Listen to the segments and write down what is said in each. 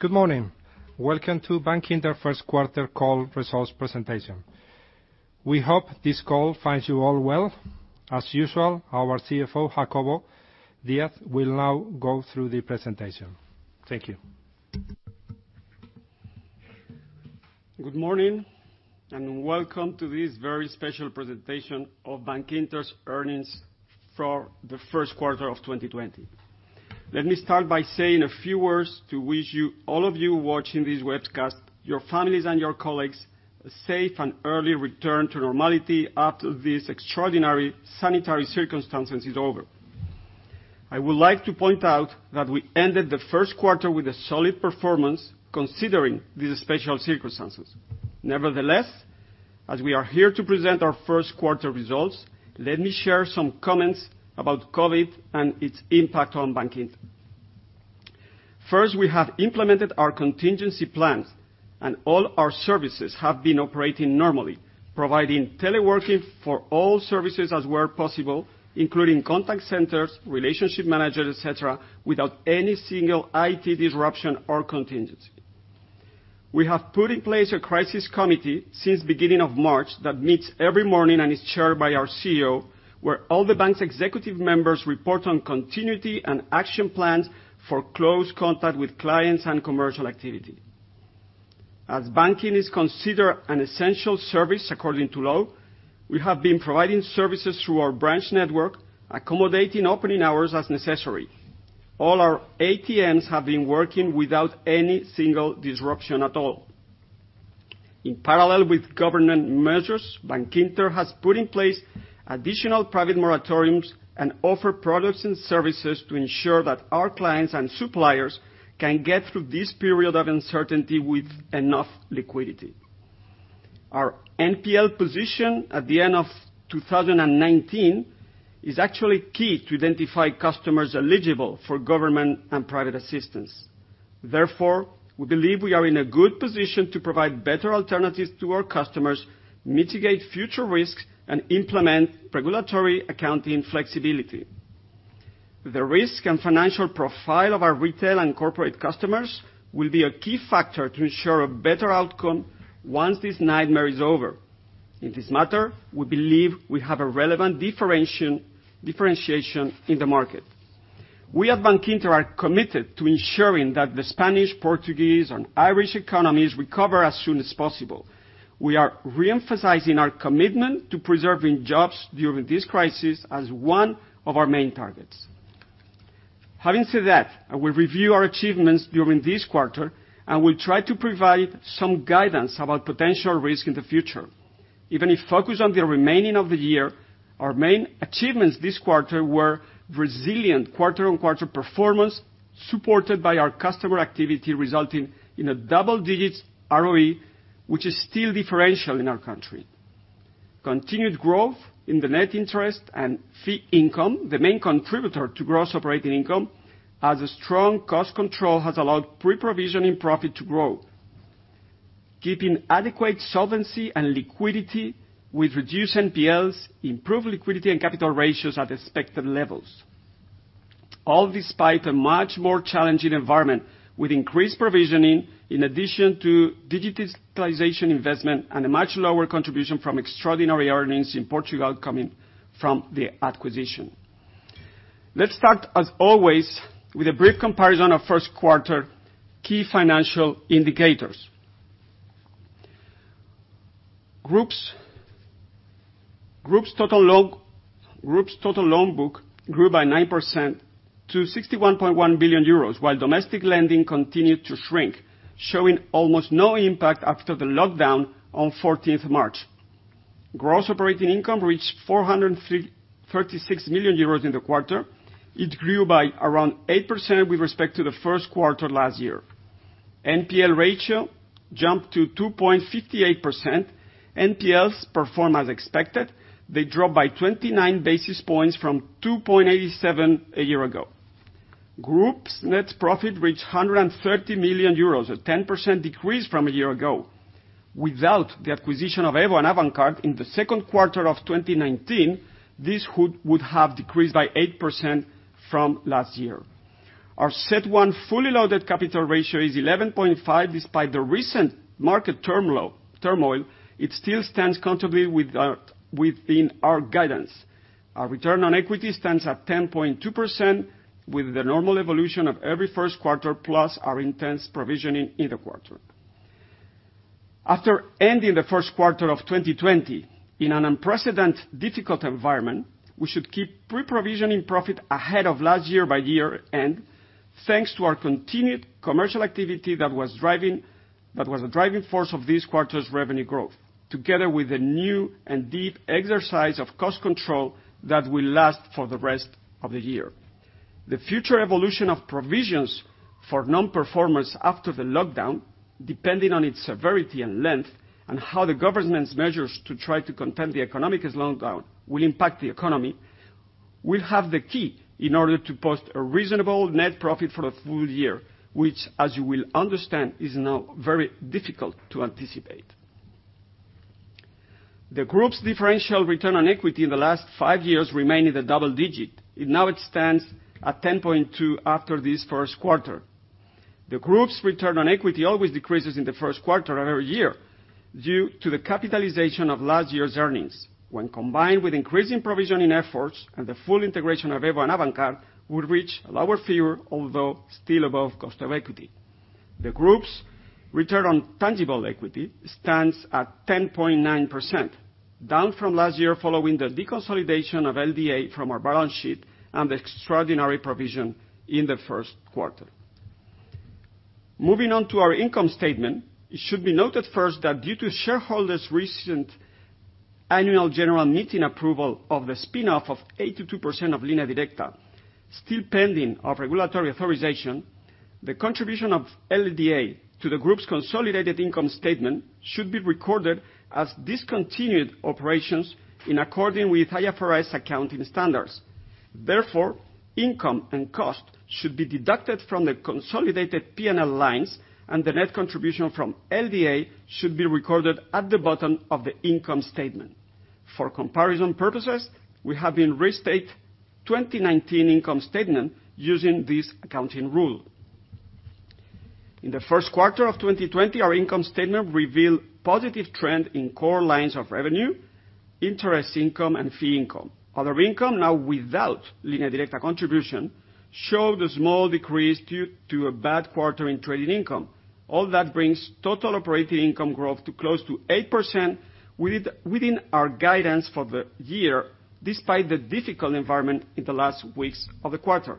Good morning. Welcome to Bankinter first quarter call results presentation. We hope this call finds you all well. As usual, our CFO, Jacobo Díaz, will now go through the presentation. Thank you. Good morning. Welcome to this very special presentation of Bankinter's earnings for the first quarter of 2020. Let me start by saying a few words to wish all of you watching this webcast, your families, and your colleagues, a safe and early return to normality after this extraordinary sanitary circumstances is over. I would like to point out that we ended the first quarter with a solid performance, considering these special circumstances. Nevertheless, as we are here to present our first quarter results, let me share some comments about COVID and its impact on Bankinter. First, we have implemented our contingency plans. All our services have been operating normally, providing teleworking for all services as where possible, including contact centers, relationship managers, et cetera, without any single IT disruption or contingency. We have put in place a crisis committee since beginning of March that meets every morning and is chaired by our CEO, where all the bank's executive members report on continuity and action plans for close contact with clients and commercial activity. As banking is considered an essential service according to law, we have been providing services through our branch network, accommodating opening hours as necessary. All our ATMs have been working without any single disruption at all. In parallel with government measures, Bankinter has put in place additional private moratoriums and offer products and services to ensure that our clients and suppliers can get through this period of uncertainty with enough liquidity. Our NPL position at the end of 2019 is actually key to identify customers eligible for government and private assistance. Therefore, we believe we are in a good position to provide better alternatives to our customers, mitigate future risks, and implement regulatory accounting flexibility. The risk and financial profile of our retail and corporate customers will be a key factor to ensure a better outcome once this nightmare is over. In this matter, we believe we have a relevant differentiation in the market. We at Bankinter are committed to ensuring that the Spanish, Portuguese, and Irish economies recover as soon as possible. We are re-emphasizing our commitment to preserving jobs during this crisis as one of our main targets. Having said that, I will review our achievements during this quarter, and will try to provide some guidance about potential risk in the future. Even if focused on the remaining of the year, our main achievements this quarter were resilient quarter-on-quarter performance supported by our customer activity, resulting in a double digits ROE, which is still differential in our country. Continued growth in the net interest and fee income, the main contributor to gross operating income, as a strong cost control, has allowed pre-provision profit to grow. Keeping adequate solvency and liquidity with reduced NPLs, improved liquidity and capital ratios at expected levels. All despite a much more challenging environment, with increased provisioning, in addition to digitalization investment and a much lower contribution from extraordinary earnings in Portugal coming from the acquisition. Let's start, as always, with a brief comparison of first quarter key financial indicators. Group's total loan book grew by 9% to 61.1 billion euros, while domestic lending continued to shrink, showing almost no impact after the lockdown on 14th of March. Gross operating income reached 436 million euros in the quarter. It grew by around 8% with respect to the first quarter last year. NPL ratio jumped to 2.58%. NPLs perform as expected. They dropped by 29 basis points from 2.87% a year ago. Group's net profit reached 130 million euros, a 10% decrease from a year ago. Without the acquisition of EVO and Avantcard in the second quarter of 2019, this would have decreased by 8% from last year. Our CET1 fully loaded capital ratio is 11.5%. Despite the recent market turmoil, it still stands comfortably within our guidance. Our return on equity stands at 10.2% with the normal evolution of every first quarter, plus our intense provisioning in the quarter. After ending the first quarter of 2020 in an unprecedented difficult environment, we should keep pre-provision profit ahead of last year by year-end, thanks to our continued commercial activity that was a driving force of this quarter's revenue growth, together with a new and deep exercise of cost control that will last for the rest of the year. The future evolution of provisions for non-performers after the lockdown, depending on its severity and length, and how the government's measures to try to contend the economic slowdown will impact the economy, will have the key in order to post a reasonable net profit for the full year, which, as you will understand, is now very difficult to anticipate. The group's differential return on equity in the last five years remained in the double-digit. It now stands at 10.2 after this first quarter. The group's return on equity always decreases in the first quarter of every year due to the capitalization of last year's earnings. When combined with increasing provisioning efforts and the full integration of EVO and Avantcard would reach a lower figure, although still above cost of equity. The group's return on tangible equity stands at 10.9%, down from last year following the deconsolidation of LDA from our balance sheet and the extraordinary provision in the first quarter. Moving on to our income statement, it should be noted first that due to shareholders' recent annual general meeting approval of the spin-off of 82% of Línea Directa, still pending of regulatory authorization, the contribution of LDA to the group's consolidated income statement should be recorded as discontinued operations in accordance with IFRS accounting standards. Therefore, income and cost should be deducted from the consolidated P&L lines, and the net contribution from LDA should be recorded at the bottom of the income statement. For comparison purposes, we have restated 2019 income statement using this accounting rule. In the first quarter of 2020, our income statement revealed positive trend in core lines of revenue, interest income, and fee income. Other income, now without Línea Directa contribution, showed a small decrease due to a bad quarter in trading income. All that brings total operating income growth to close to 8% within our guidance for the year, despite the difficult environment in the last weeks of the quarter.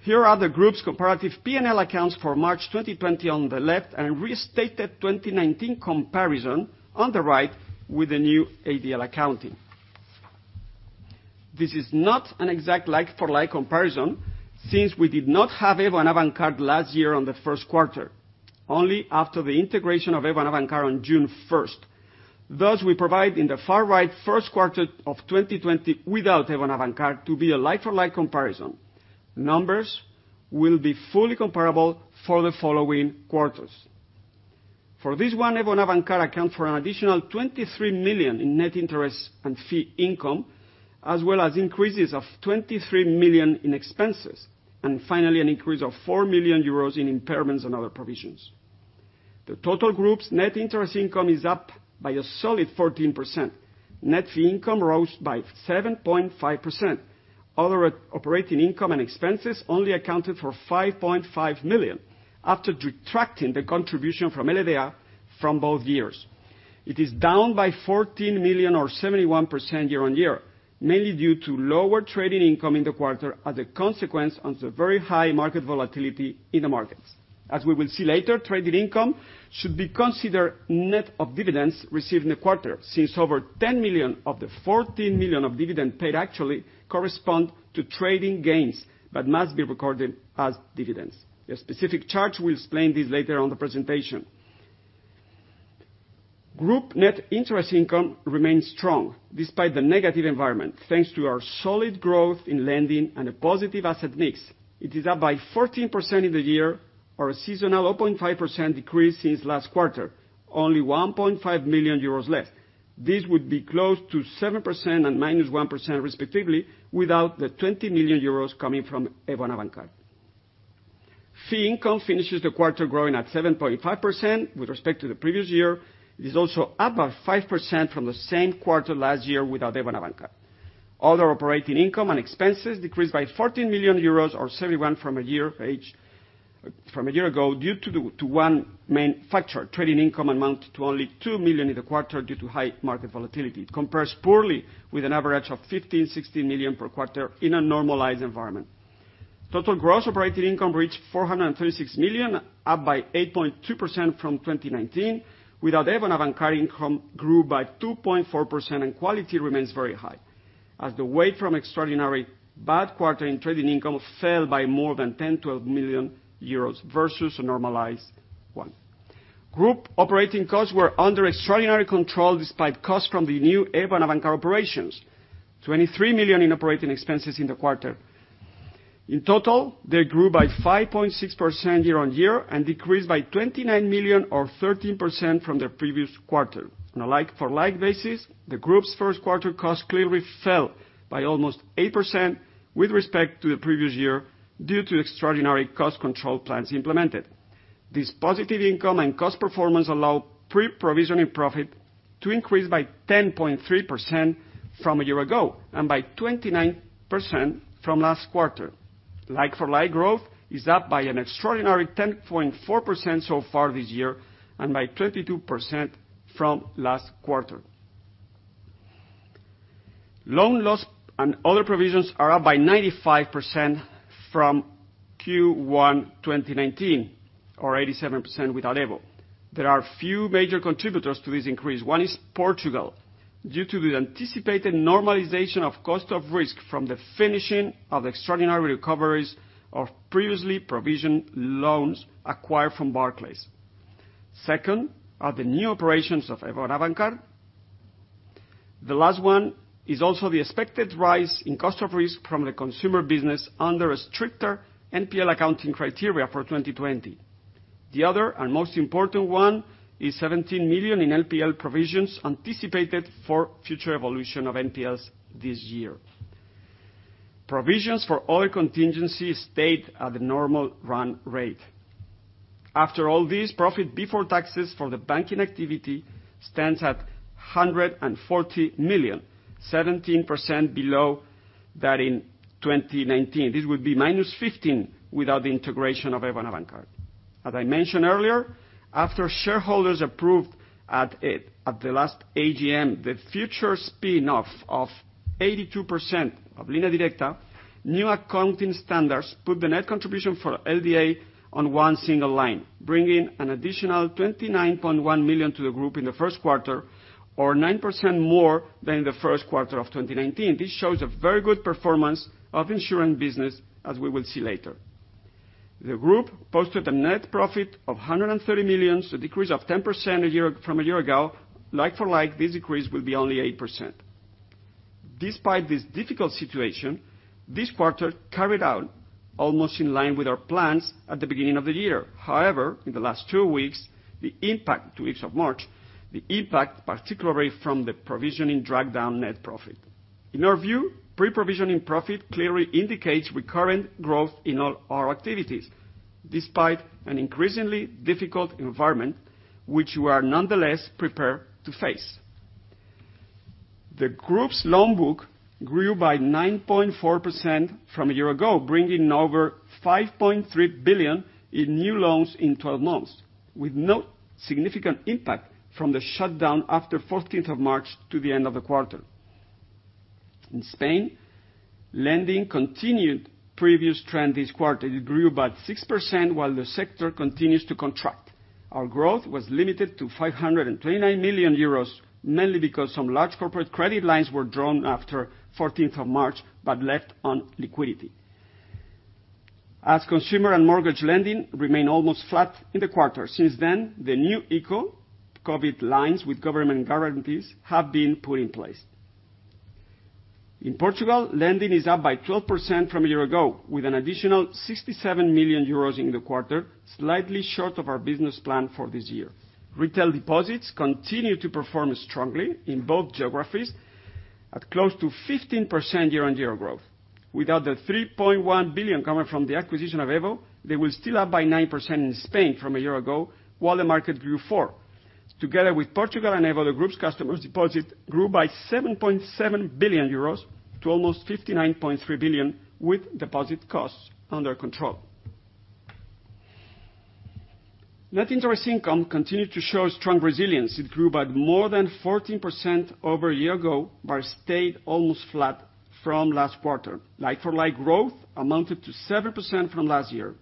Here are the group's comparative P&L accounts for March 2020 on the left and restated 2019 comparison on the right with the new LDA accounting. This is not an exact like-for-like comparison since we did not have EVO and Avantcard last year on the first quarter, only after the integration of EVO and Avantcard on June 1st. We provide in the far right first quarter of 2020 without EVO and Avantcard to be a like-for-like comparison. Numbers will be fully comparable for the following quarters. For this one, EVO and Avantcard account for an additional 23 million in net interest and fee income, as well as increases of 23 million in expenses, and finally, an increase of 4 million euros in impairments and other provisions. The total group's net interest income is up by a solid 14%. Net fee income rose by 7.5%. Other operating income and expenses only accounted for 5.5 million after detracting the contribution from LDA from both years. It is down by 14 million or 71% year-on-year, mainly due to lower trading income in the quarter as a consequence of the very high market volatility in the markets. As we will see later, trading income should be considered net of dividends received in the quarter, since over 10 million of the 14 million of dividends paid actually correspond to trading gains, but must be recorded as dividends. A specific chart will explain this later on the presentation. Group Net Interest Income remains strong despite the negative environment, thanks to our solid growth in lending and a positive asset mix. It is up by 14% in the year or a seasonal 0.5% decrease since last quarter, only 1.5 million euros less. This would be close to 7% and -1% respectively without the 20 million euros coming from EVO and Avantcard. Fee income finishes the quarter growing at 7.5% with respect to the previous year. It is also up by 5% from the same quarter last year without EVO and Avantcard. Other operating income and expenses decreased by 14 million euros or 71% from a year ago due to one main factor. Trading income amounted to only 2 million in the quarter due to high market volatility. It compares poorly with an average of 15 million-16 million per quarter in a normalized environment. Total gross operating income reached 436 million, up by 8.2% from 2019. Without EVO and Avantcard, income grew by 2.4% and quality remains very high. As the weight from extraordinary bad quarter in trading income fell by more than 10 million-12 million euros versus a normalized one. Group operating costs were under extraordinary control despite costs from the new EVO and Avantcard operations. 23 million in operating expenses in the quarter. In total, they grew by 5.6% year-on-year and decreased by 29 million or 13% from the previous quarter. On a like-for-like basis, the group's first quarter cost clearly fell by almost 8% with respect to the previous year due to extraordinary cost control plans implemented. This positive income and cost performance allow pre-provisioning profit to increase by 10.3% from a year ago and by 29% from last quarter. Like-for-like growth is up by an extraordinary 10.4% so far this year and by 22% from last quarter. Loan loss and other provisions are up by 95% from Q1 2019 or 87% without EVO. There are few major contributors to this increase. One is Portugal, due to the anticipated normalization of cost of risk from the finishing of extraordinary recoveries of previously provisioned loans acquired from Barclays. Second are the new operations of EVO and Avantcard. The last one is also the expected rise in cost of risk from the consumer business under a stricter NPL accounting criteria for 2020. The other, and most important one, is 17 million in NPL provisions anticipated for future evolution of NPLs this year. Provisions for other contingencies stayed at the normal run rate. After all this, profit before taxes for the banking activity stands at 140 million, 17% below that in 2019. This would be -15 without the integration of EVO and Avantcard. As I mentioned earlier, after shareholders approved at the last AGM, the future spin-off of 82% of Línea Directa, new accounting standards put the net contribution for LDA on one single line, bringing an additional 29.1 million to the group in the first quarter, or 9% more than the first quarter of 2019. This shows a very good performance of insurance business, as we will see later. The group posted a net profit of 130 million, a decrease of 10% from a year ago. Like for like, this decrease will be only 8%. Despite this difficult situation, this quarter carried out almost in line with our plans at the beginning of the year. In the last two weeks of March, the impact, particularly from the provisioning, dragged down net profit. In our view, pre-provision profit clearly indicates recurrent growth in all our activities, despite an increasingly difficult environment, which we are nonetheless prepared to face. The group's loan book grew by 9.4% from a year ago, bringing over 5.3 billion in new loans in 12 months, with no significant impact from the shutdown after 14th of March to the end of the quarter. In Spain, lending continued previous trend this quarter. It grew by 6% while the sector continues to contract. Our growth was limited to 529 million euros, mainly because some large corporate credit lines were drawn after 14th of March, but left on liquidity. As consumer and mortgage lending remained almost flat in the quarter, since then, the new ICO COVID lines with government guarantees have been put in place. In Portugal, lending is up by 12% from a year ago, with an additional 67 million euros in the quarter, slightly short of our business plan for this year. Retail deposits continue to perform strongly in both geographies at close to 15% year-on-year growth. Without the 3.1 billion coming from the acquisition of EVO, they were still up by 9% in Spain from a year ago, while the market grew 4%. Together with Portugal and EVO, the group's customers deposits grew by 7.7 billion euros to almost 59.3 billion, with deposit costs under control. Net interest income continued to show strong resilience. It grew by more than 14% over a year-ago, but stayed almost flat from last quarter. Like for like growth amounted to 7% from last year.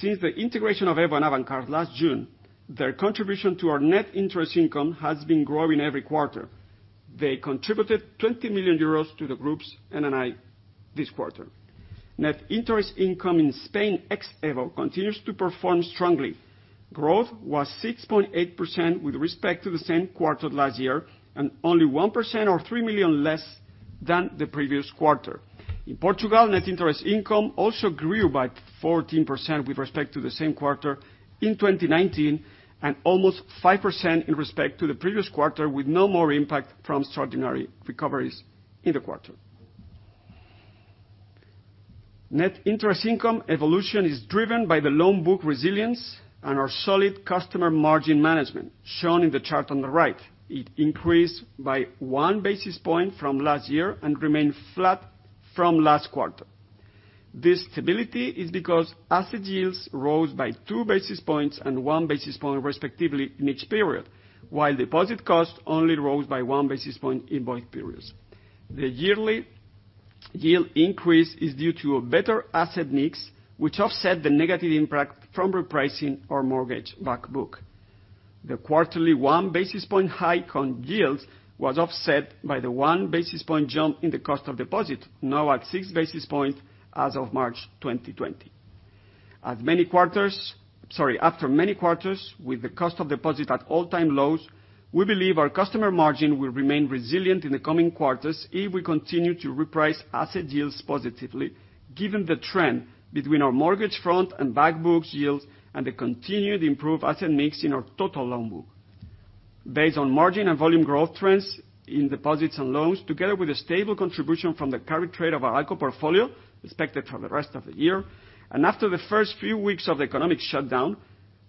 Since the integration of EVO and Avantcard last June, their contribution to our net interest income has been growing every quarter. They contributed 20 million euros to the group's NII this quarter. Net interest income in Spain, ex-EVO, continues to perform strongly. Growth was 6.8% with respect to the same quarter last year, and only 1% or 3 million less than the previous quarter. In Portugal, net interest income also grew by 14% with respect to the same quarter in 2019, and almost 5% in respect to the previous quarter, with no more impact from extraordinary recoveries in the quarter. Net interest income evolution is driven by the loan book resilience and our solid customer margin management, shown in the chart on the right. It increased by one basis point from last year and remained flat from last quarter. This stability is because asset yields rose by two basis points and one basis point, respectively, in each period, while deposit costs only rose by one basis point in both periods. The yearly yield increase is due to a better asset mix, which offset the negative impact from repricing our mortgage back book. The quarterly one basis point hike on yields was offset by the one basis point jump in the cost of deposit, now at six basis points as of March 2020. After many quarters with the cost of deposit at all-time lows, we believe our customer margin will remain resilient in the coming quarters if we continue to reprice asset yields positively, given the trend between our mortgage front and back books yields and the continued improved asset mix in our total loan book. Based on margin and volume growth trends in deposits and loans, together with a stable contribution from the carry trade of our ALCO portfolio expected for the rest of the year, and after the first few weeks of the economic shutdown,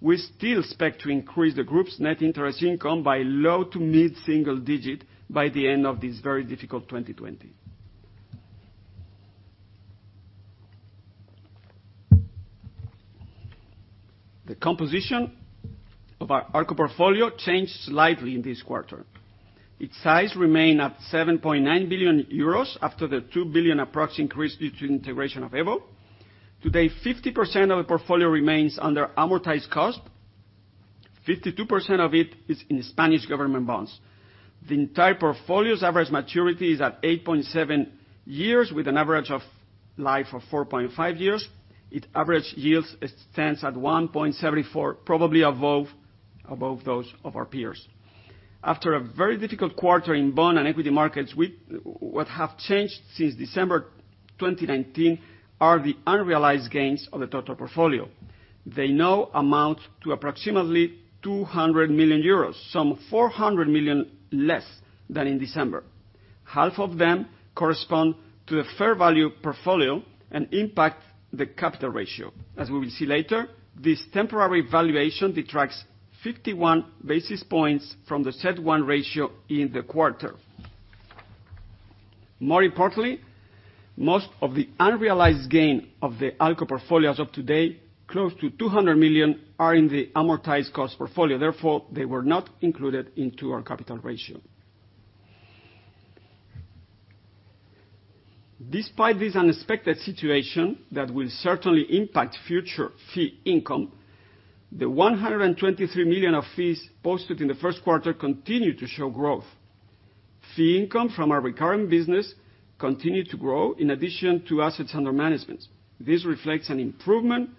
we still expect to increase the group's Net Interest Income by low to mid-single digit by the end of this very difficult 2020. The composition of our ALCO portfolio changed slightly in this quarter. Its size remained at 7.9 billion euros after the 2 billion approximate increase due to integration of EVO. Today, 50% of the portfolio remains under amortized cost, 52% of it is in Spanish government bonds. The entire portfolio's average maturity is at 8.7 years, with an average life of 4.5 years. Its average yield stands at 1.74%, probably above those of our peers. After a very difficult quarter in bond and equity markets, what have changed since December 2019 are the unrealized gains of the total portfolio. They now amount to approximately 200 million euros, some 400 million less than in December. Half of them correspond to the fair value portfolio and impact the capital ratio. As we will see later, this temporary valuation detracts 51 basis points from the CET1 ratio in the quarter. More importantly, most of the unrealized gain of the ALCO portfolio as of today, close to 200 million, are in the amortized cost portfolio. They were not included into our capital ratio. Despite this unexpected situation, that will certainly impact future fee income, the 123 million of fees posted in the first quarter continue to show growth. Fee income from our recurring business continued to grow in addition to assets under management. This reflects an improvement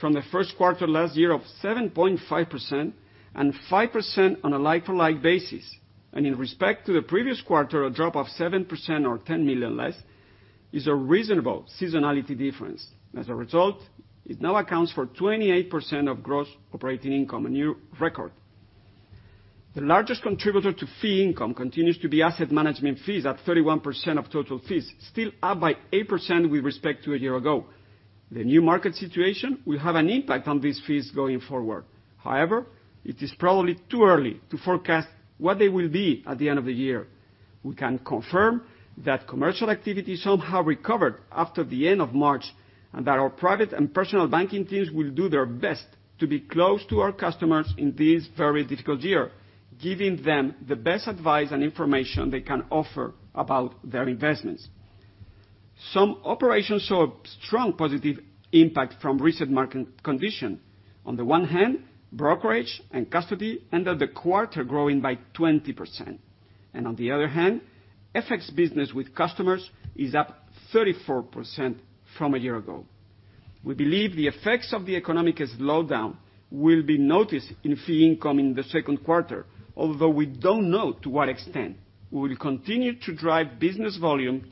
from the first quarter last year of 7.5% and 5% on a like-to-like basis. In respect to the previous quarter, a drop of 7% or 10 million less is a reasonable seasonality difference. It now accounts for 28% of gross operating income, a new record. The largest contributor to fee income continues to be asset management fees at 31% of total fees, still up by 8% with respect to a year ago. The new market situation will have an impact on these fees going forward. However, it is probably too early to forecast what they will be at the end of the year. We can confirm that commercial activity somehow recovered after the end of March, and that our private and personal banking teams will do their best to be close to our customers in this very difficult year, giving them the best advice and information they can offer about their investments. Some operations saw a strong positive impact from recent market condition. On the one hand, brokerage and custody ended the quarter growing by 20%. On the other hand, FX business with customers is up 34% from a year ago. We believe the effects of the economic slowdown will be noticed in fee income in the second quarter, although we don't know to what extent. We will continue to drive business volume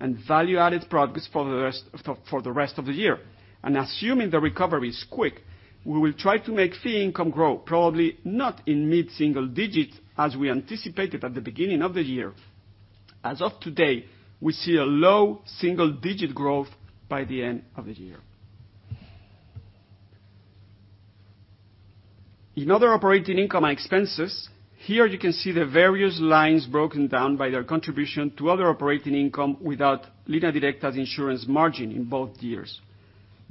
and value-added products for the rest of the year. Assuming the recovery is quick, we will try to make fee income grow, probably not in mid-single digits as we anticipated at the beginning of the year. As of today, we see a low single-digit growth by the end of the year. In other operating income and expenses, here you can see the various lines broken down by their contribution to other operating income without Línea Directa's insurance margin in both years.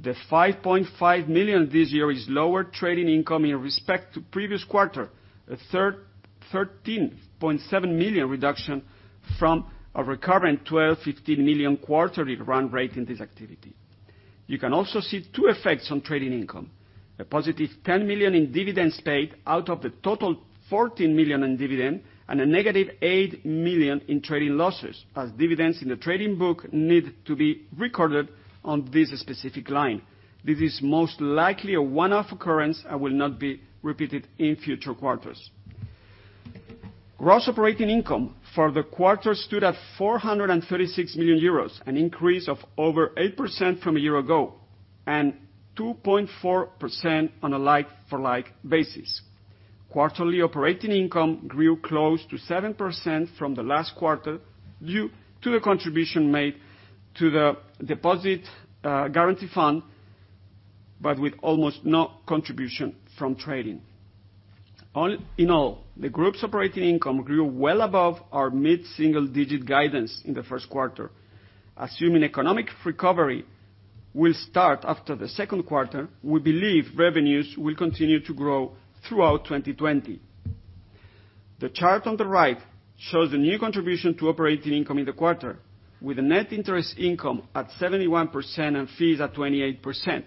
The 5.5 million this year is lower trading income in respect to previous quarter, a 13.7 million reduction from a recurring 12 million-15 million quarterly run rate in this activity. You can also see two effects on trading income. A positive 10 million in dividends paid out of the total 14 million in dividend, and a -8 million in trading losses, as dividends in the trading book need to be recorded on this specific line. This is most likely a one-off occurrence and will not be repeated in future quarters. Gross operating income for the quarter stood at 436 million euros, an increase of over 8% from a year ago, and 2.4% on a like-for-like basis. Quarterly operating income grew close to 7% from the last quarter due to the contribution made to the deposit guarantee fund, with almost no contribution from trading. All in all, the group's operating income grew well above our mid-single digit guidance in the first quarter. Assuming economic recovery will start after the second quarter, we believe revenues will continue to grow throughout 2020. The chart on the right shows the new contribution to operating income in the quarter, with a Net Interest Income at 71% and fees at 28%.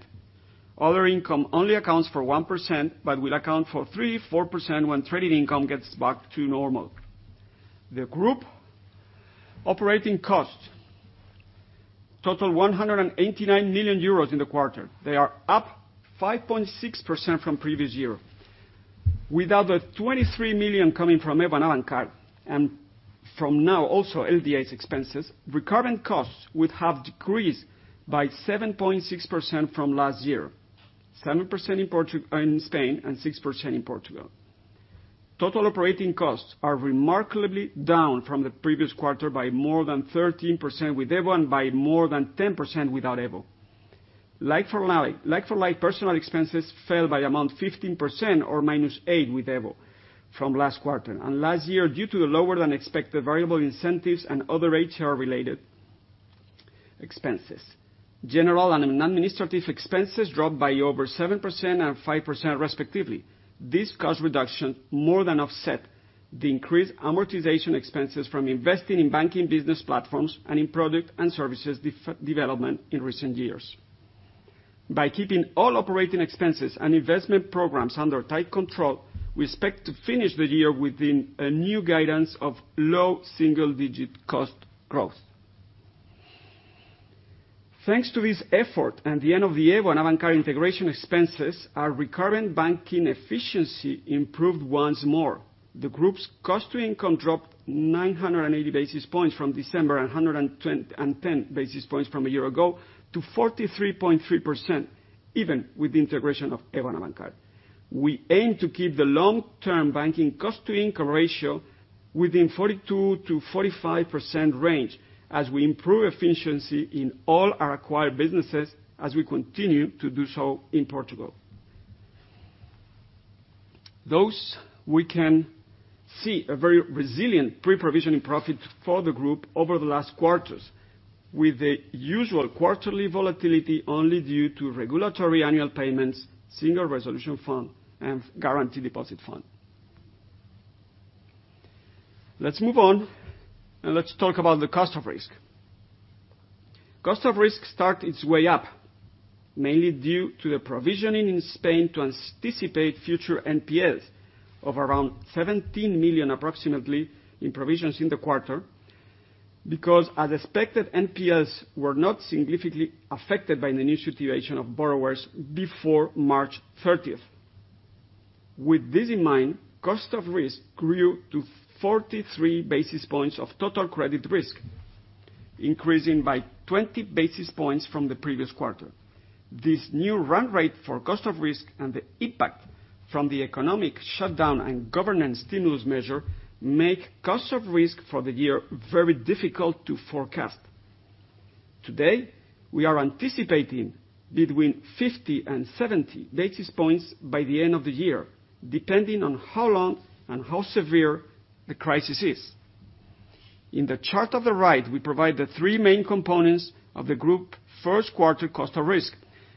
Other income only accounts for 1%, but will account for 3%-4% when trading income gets back to normal. The group operating costs total 189 million euros in the quarter. They are up 5.6% from previous year. Without the 23 million coming from EVO and Avantcard, and from now, also LDA's expenses, recurrent costs would have decreased by 7.6% from last year, 7% in Spain and 6% in Portugal. Total operating costs are remarkably down from the previous quarter by more than 13% with EVO and by more than 10% without EVO. Like for like, personal expenses fell by around 15% or -8 with EVO from last quarter. Last year, due to the lower than expected variable incentives and other HR-related expenses. General and administrative expenses dropped by over 7% and 5% respectively. This cost reduction more than offset the increased amortization expenses from investing in banking business platforms and in product and services development in recent years. By keeping all operating expenses and investment programs under tight control, we expect to finish the year within a new guidance of low single-digit cost growth. Thanks to this effort and the end of the EVO and Avantcard integration expenses, our recurrent banking efficiency improved once more. The group's cost-to-income dropped 980 basis points from December, and 110 basis points from a year ago to 43.3%, even with the integration of EVO and Avantcard. We aim to keep the long-term banking cost-to-income ratio within 42%-45% range as we improve efficiency in all our acquired businesses, as we continue to do so in Portugal. Those we can see a very resilient pre-provision in profit for the group over the last quarters, with the usual quarterly volatility only due to regulatory annual payments, Single Resolution Fund, and Guarantee Deposit Fund. Let's move on, and let's talk about the cost of risk. cost of risk start its way up, mainly due to the provisioning in Spain to anticipate future NPLs of around 17 million, approximately, in provisions in the quarter. Because as expected, NPLs were not significantly affected by the new situation of borrowers before March 30th. With this in mind, cost of risk grew to 43 basis points of total credit risk, increasing by 20 basis points from the previous quarter. This new run rate for cost of risk and the impact from the economic shutdown and government stimulus measure make cost of risk for the year very difficult to forecast. Today, we are anticipating between 50 and 70 basis points by the end of the year, depending on how long and how severe the crisis is. In the chart of the right, we provide the three main components of the group first quarter cost of risk.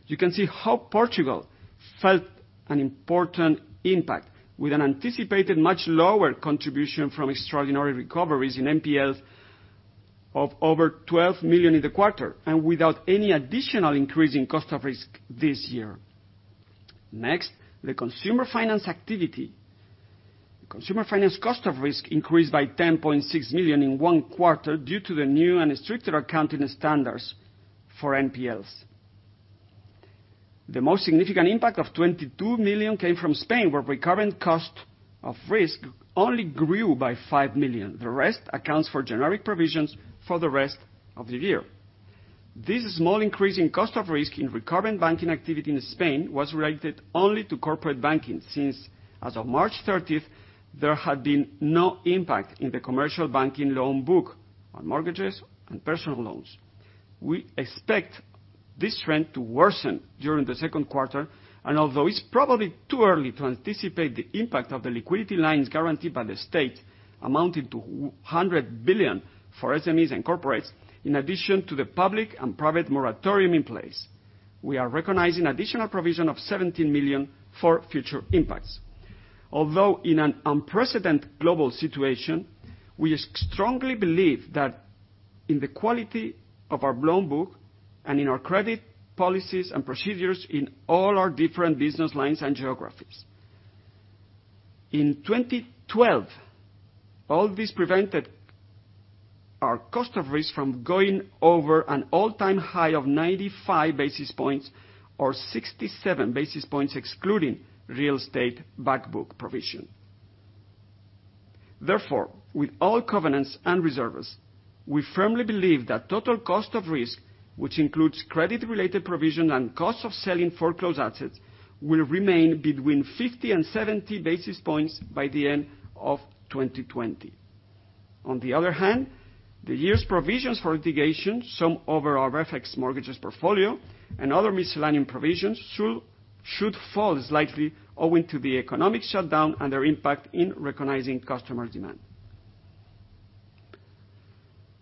You can see how Portugal felt an important impact with an anticipated much lower contribution from extraordinary recoveries in NPLs of over 12 million in the quarter, and without any additional increase in cost of risk this year. Next, the Consumer Finance activity. Consumer Finance cost of risk increased by 10.6 million in one quarter due to the new and stricter accounting standards for NPLs. The most significant impact of 22 million came from Spain, where recurrent cost of risk only grew by 5 million. The rest accounts for generic provisions for the rest of the year. This small increase in cost of risk in recurrent banking activity in Spain was related only to corporate banking since, as of March 30th, there had been no impact in the commercial banking loan book on mortgages and personal loans. We expect this trend to worsen during the second quarter. Although it's probably too early to anticipate the impact of the liquidity lines guaranteed by the state amounting to 100 billion for SMEs and corporates, in addition to the public and private moratorium in place, we are recognizing additional provision of 17 million for future impacts. Although in an unprecedented global situation, we strongly believe that in the quality of our loan book and in our credit policies and procedures in all our different business lines and geographies. In 2012, all this prevented our cost of risk from going over an all-time high of 95 basis points, or 67 basis points, excluding real estate back book provision. Therefore, with all covenants and reserves, we firmly believe that total cost of risk, which includes credit-related provision and cost of selling foreclosed assets, will remain between 50 and 70 basis points by the end of 2020. On the other hand, the year's provisions for litigation, some over our forex mortgages portfolio, and other miscellaneous provisions should fall slightly owing to the economic shutdown and their impact in recognizing customer demand.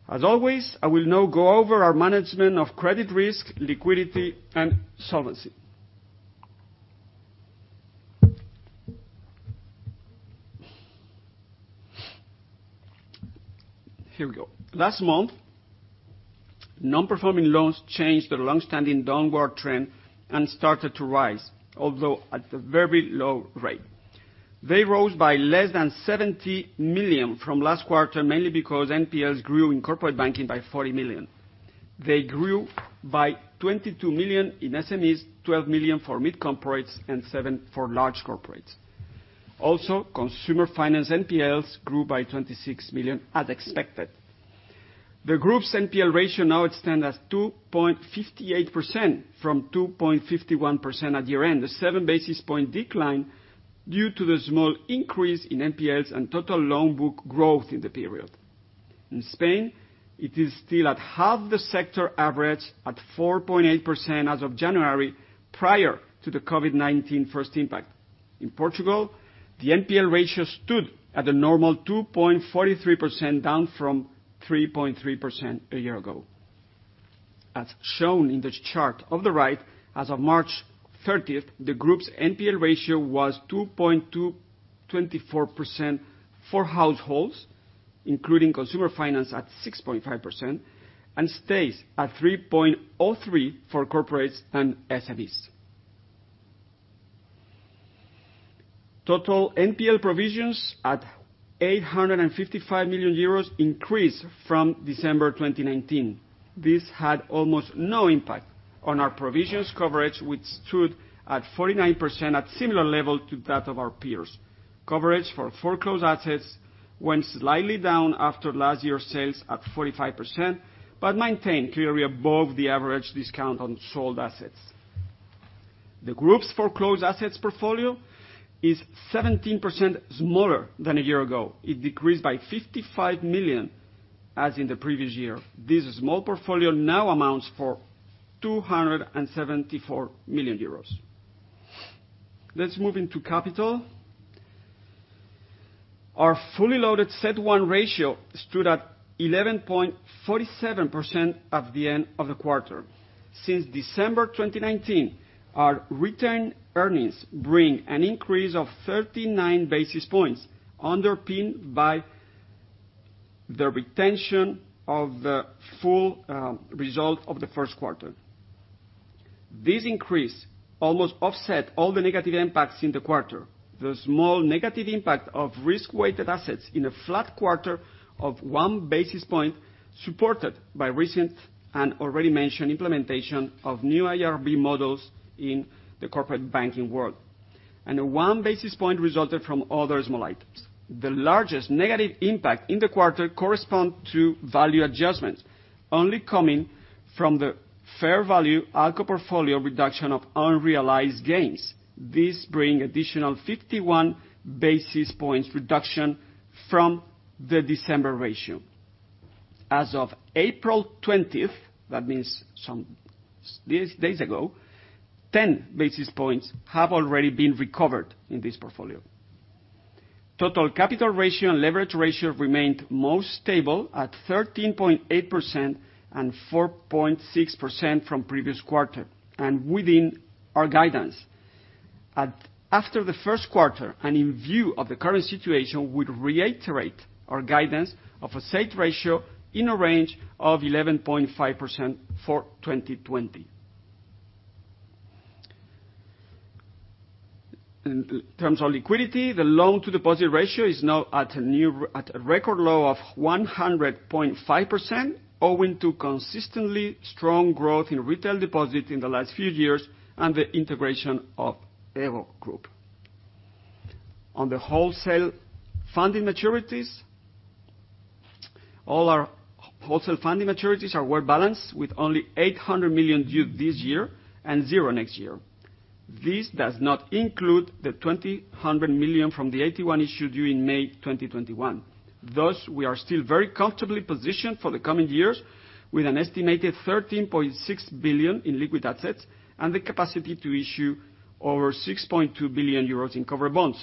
As always, I will now go over our management of credit risk, liquidity, and solvency. Here we go. Last month, non-performing loans changed their long-standing downward trend and started to rise, although at a very low rate. They rose by less than 70 million from last quarter, mainly because NPLs grew in corporate banking by 40 million. They grew by 22 million in SMEs, 12 million for mid-corporates, and 7 million for large corporates. Consumer finance NPLs grew by 26 million as expected. The group's NPL ratio now stands at 2.58% from 2.51% at year-end, a seven-basis-point decline due to the small increase in NPLs and total loan book growth in the period. In Spain, it is still at half the sector average at 4.8% as of January, prior to the COVID-19 first impact. In Portugal, the NPL ratio stood at a normal 2.43%, down from 3.3% a year ago. As shown in the chart on the right, as of March 30th, the group's NPL ratio was 2.24% for households. Including consumer finance at 6.5%, stays at 3.03 for corporates and SMEs. Total NPL provisions at 855 million euros increased from December 2019. This had almost no impact on our provisions coverage, which stood at 49% at similar level to that of our peers. Coverage for foreclosed assets went slightly down after last year's sales at 45%, maintained clearly above the average discount on sold assets. The group's foreclosed assets portfolio is 17% smaller than a year ago. It decreased by 55 million as in the previous year. This small portfolio now amounts for 274 million euros. Let's move into capital. Our fully loaded CET1 ratio stood at 11.47% at the end of the quarter. Since December 2019, our retained earnings bring an increase of 39 basis points, underpinned by the retention of the full result of the first quarter. This increase almost offset all the negative impacts in the quarter. The small negative impact of risk-weighted assets in a flat quarter of one basis point, supported by recent and already mentioned implementation of new IRB models in the corporate banking world. One basis point resulted from other small items. The largest negative impact in the quarter correspond to value adjustments, only coming from the fair value ALCO portfolio reduction of unrealized gains. This bring additional 51 basis points reduction from the December ratio. As of April 20th, that means some days ago, 10 basis points have already been recovered in this portfolio. Total capital ratio and leverage ratio remained most stable at 13.8% and 4.6% from previous quarter, and within our guidance. After the first quarter, in view of the current situation, we'd reiterate our guidance of a CET1 ratio in a range of 11.5% for 2020. In terms of liquidity, the loan-to-deposit ratio is now at a new record low of 100.5%, owing to consistently strong growth in retail deposit in the last few years and the integration of EVO group. On the wholesale funding maturities, all our wholesale funding maturities are well balanced, with only 800 million due this year and zero next year. This does not include the 2,000 million from the AT1 issued due in May 2021. We are still very comfortably positioned for the coming years with an estimated 13.6 billion in liquid assets and the capacity to issue over 6.2 billion euros in covered bonds.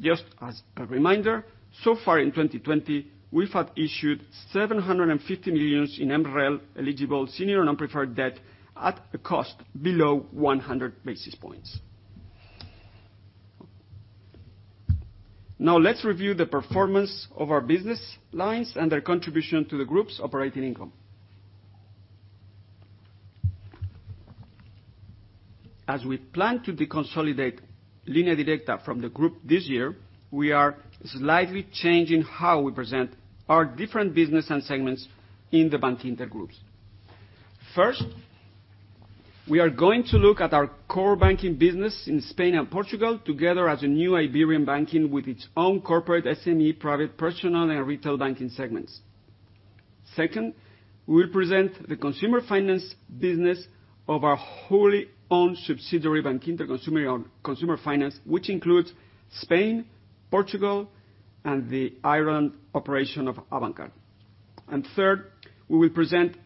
Just as a reminder, so far in 2020, we have issued 750 million in MREL eligible senior and preferred debt at a cost below 100 basis points. Let's review the performance of our business lines and their contribution to the group's operating income. As we plan to deconsolidate Línea Directa from the group this year, we are slightly changing how we present our different business and segments in the Bankinter Group. First, we are going to look at our core banking business in Spain and Portugal together as a new Iberian banking with its own corporate SME, private personal, and retail banking segments. Second, we'll present the consumer finance business of our wholly-owned subsidiary, Bankinter Consumer Finance, which includes Spain, Portugal, and the Ireland operation of Avantcard. Third, we will present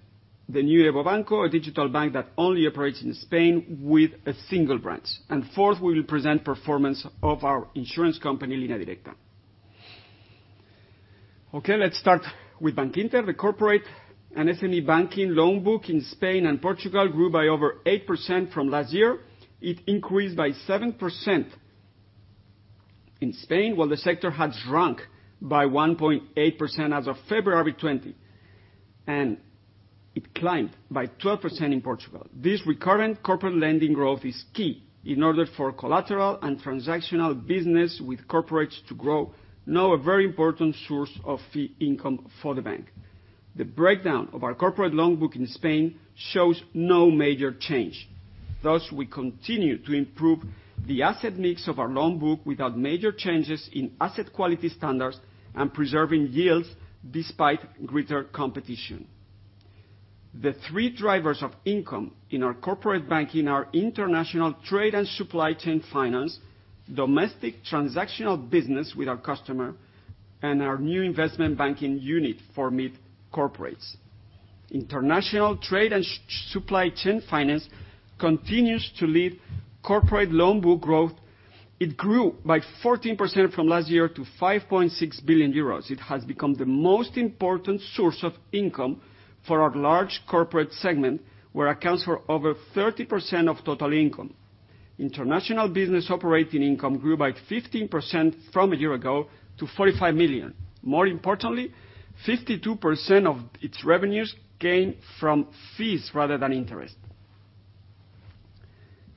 the new EVO Banco, a digital bank that only operates in Spain with a single branch. Fourth, we will present performance of our insurance company, Línea Directa. Okay, let's start with Bankinter. The corporate and SME banking loan book in Spain and Portugal grew by over 8% from last year. It increased by 7% in Spain, while the sector had shrunk by 1.8% as of February 20, and it climbed by 12% in Portugal. This recurrent corporate lending growth is key in order for collateral and transactional business with corporates to grow, now a very important source of fee income for the bank. The breakdown of our corporate loan book in Spain shows no major change. Thus, we continue to improve the asset mix of our loan book without major changes in asset quality standards and preserving yields despite greater competition. The three drivers of income in our corporate banking are international trade and supply chain finance, domestic transactional business with our customer, and our new investment banking unit for mid-corporates. International trade and supply chain finance continues to lead corporate loan book growth. It grew by 14% from last year to 5.6 billion euros. It has become the most important source of income for our large corporate segment, where accounts for over 30% of total income. International business operating income grew by 15% from a year ago to 45 million. More importantly, 52% of its revenues came from fees rather than interest.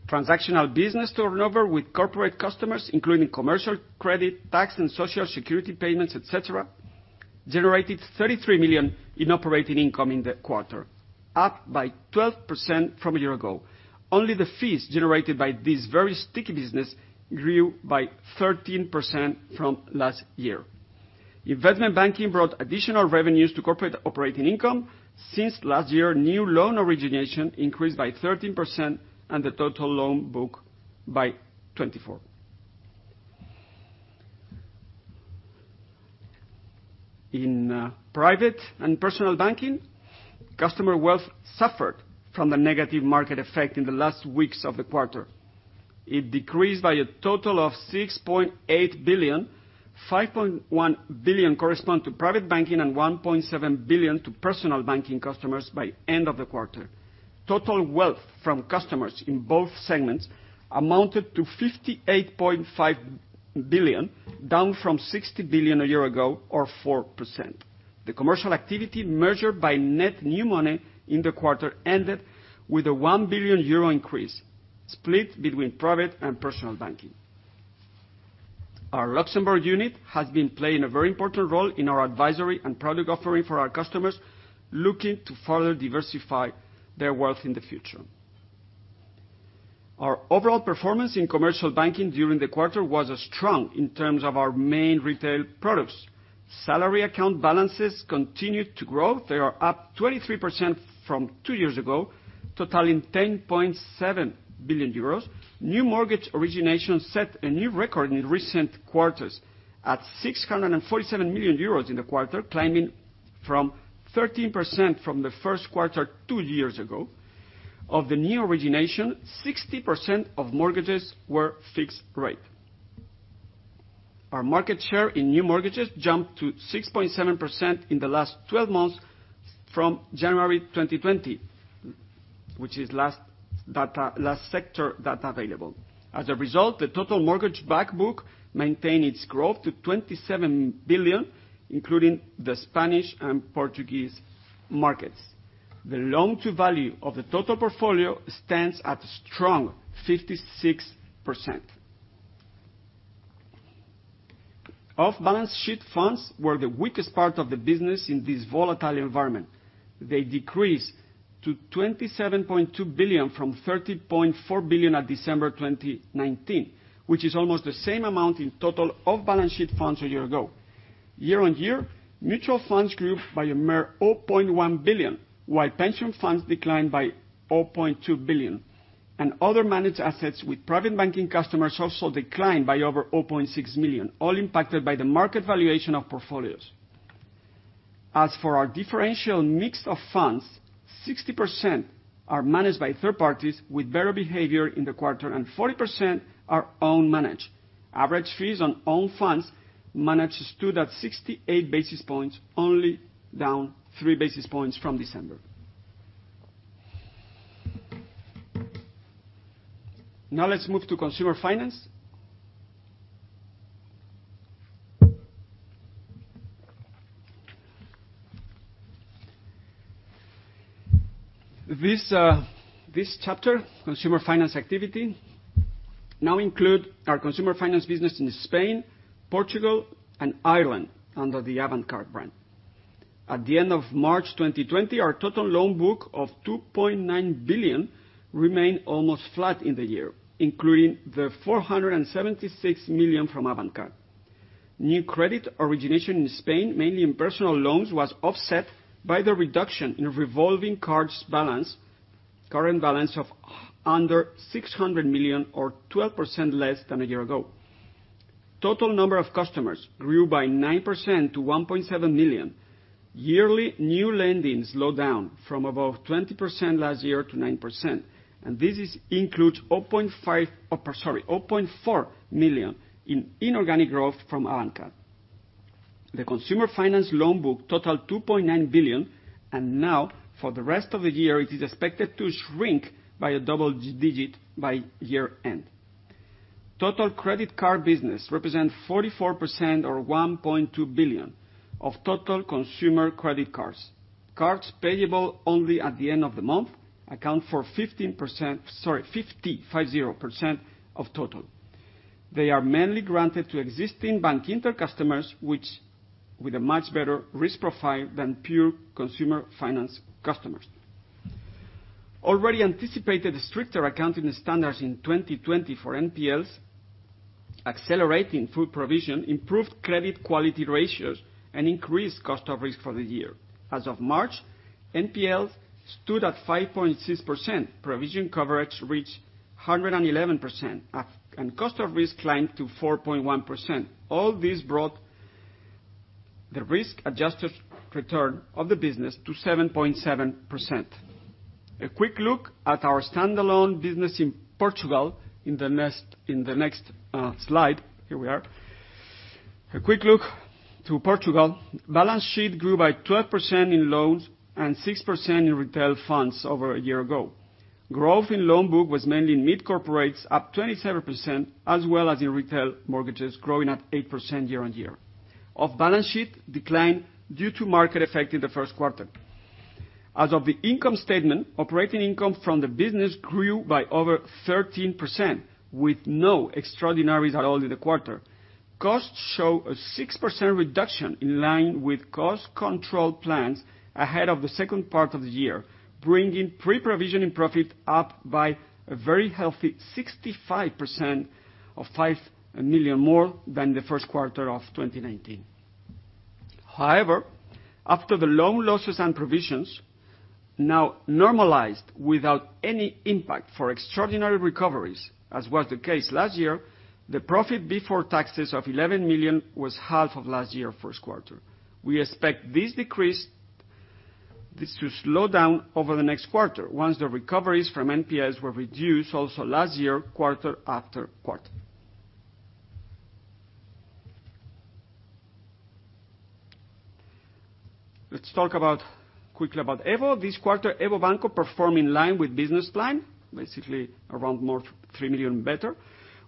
Transactional business turnover with corporate customers, including commercial credit, tax and social security payments, et cetera, generated 33 million in operating income in the quarter, up by 12% from a year ago. Only the fees generated by this very sticky business grew by 13% from last year. Investment banking brought additional revenues to corporate operating income. Since last year, new loan origination increased by 13%, and the total loan book by 24%. In private and personal banking, customer wealth suffered from the negative market effect in the last weeks of the quarter. It decreased by a total of 6.8 billion, 5.1 billion correspond to private banking and 1.7 billion to personal banking customers by end of the quarter. Total wealth from customers in both segments amounted to 58.5 billion, down from 60 billion a year ago or 4%. The commercial activity measured by net new money in the quarter ended with a 1 billion euro increase, split between private and personal banking. Our Luxembourg unit has been playing a very important role in our advisory and product offering for our customers, looking to further diversify their wealth in the future. Our overall performance in commercial banking during the quarter was strong in terms of our main retail products. Salary account balances continued to grow. They are up 23% from two years ago, totaling 10.7 billion euros. New mortgage origination set a new record in recent quarters at 647 million euros in the quarter, climbing from 13% from the first quarter two years ago. Of the new origination, 60% of mortgages were fixed rate. Our market share in new mortgages jumped to 6.7% in the last 12 months from January 2020, which is last sector data available. As a result, the total mortgage back book maintained its growth to 27 billion, including the Spanish and Portuguese markets. The loan-to-value of the total portfolio stands at a strong 56%. Off-balance sheet funds were the weakest part of the business in this volatile environment. They decreased to 27.2 billion from 30.4 billion at December 2019, which is almost the same amount in total off-balance sheet funds a year ago. Year-on-year, mutual funds grew by a mere 0.1 billion, while pension funds declined by 0.2 billion, and other managed assets with private banking customers also declined by over 0.6 million, all impacted by the market valuation of portfolios. As for our differential mix of funds, 60% are managed by third parties with better behavior in the quarter, and 40% are own managed. Average fees on own funds managed stood at 68 basis points, only down three basis points from December. Let's move to consumer finance. This chapter, consumer finance activity, now include our consumer finance business in Spain, Portugal, and Ireland under the Avantcard brand. At the end of March 2020, our total loan book of 2.9 billion remained almost flat in the year, including the 476 million from Avantcard. New credit origination in Spain, mainly in personal loans, was offset by the reduction in revolving cards balance, current balance of under 600 million or 12% less than a year ago. Total number of customers grew by 9% to 1.7 million. Yearly new lending slowed down from above 20% last year to 9%, this includes 0.4 million in inorganic growth from Avantcard. The consumer finance loan book totaled 2.9 billion, now for the rest of the year, it is expected to shrink by a double digit by year-end. Total credit card business represents 44% or 1.2 billion of total consumer credit cards. Cards payable only at the end of the month account for 50% of total. They are mainly granted to existing Bankinter customers, with a much better risk profile than pure consumer finance customers. Already anticipated stricter accounting standards in 2020 for NPLs, accelerating through provision, improved credit quality ratios, and increased cost of risk for the year. As of March, NPLs stood at 5.6%. Provision coverage reached 111%, and cost of risk climbed to 4.1%. All this brought the risk-adjusted return of the business to 7.7%. A quick look at our standalone business in Portugal in the next slide. Here we are. A quick look to Portugal. Balance sheet grew by 12% in loans and 6% in retail funds over a year ago. Growth in loan book was mainly mid-corporates, up 27%, as well as in retail mortgages growing at 8% year-on-year. Off balance sheet declined due to market effect in the first quarter. As of the income statement, operating income from the business grew by over 13% with no extraordinaries at all in the quarter. Costs show a 6% reduction in line with cost control plans ahead of the second part of the year, bringing pre-provision profit up by a very healthy 65% of 5 million more than the first quarter of 2019. After the loan losses and provisions, now normalized without any impact for extraordinary recoveries, as was the case last year, the profit before taxes of 11 million was half of last year first quarter. We expect this decrease to slow down over the next quarter, once the recoveries from NPLs were reduced also last year, quarter after quarter. Let's talk quickly about EVO. This quarter, EVO Banco perform in line with business plan, basically around more 3 million better.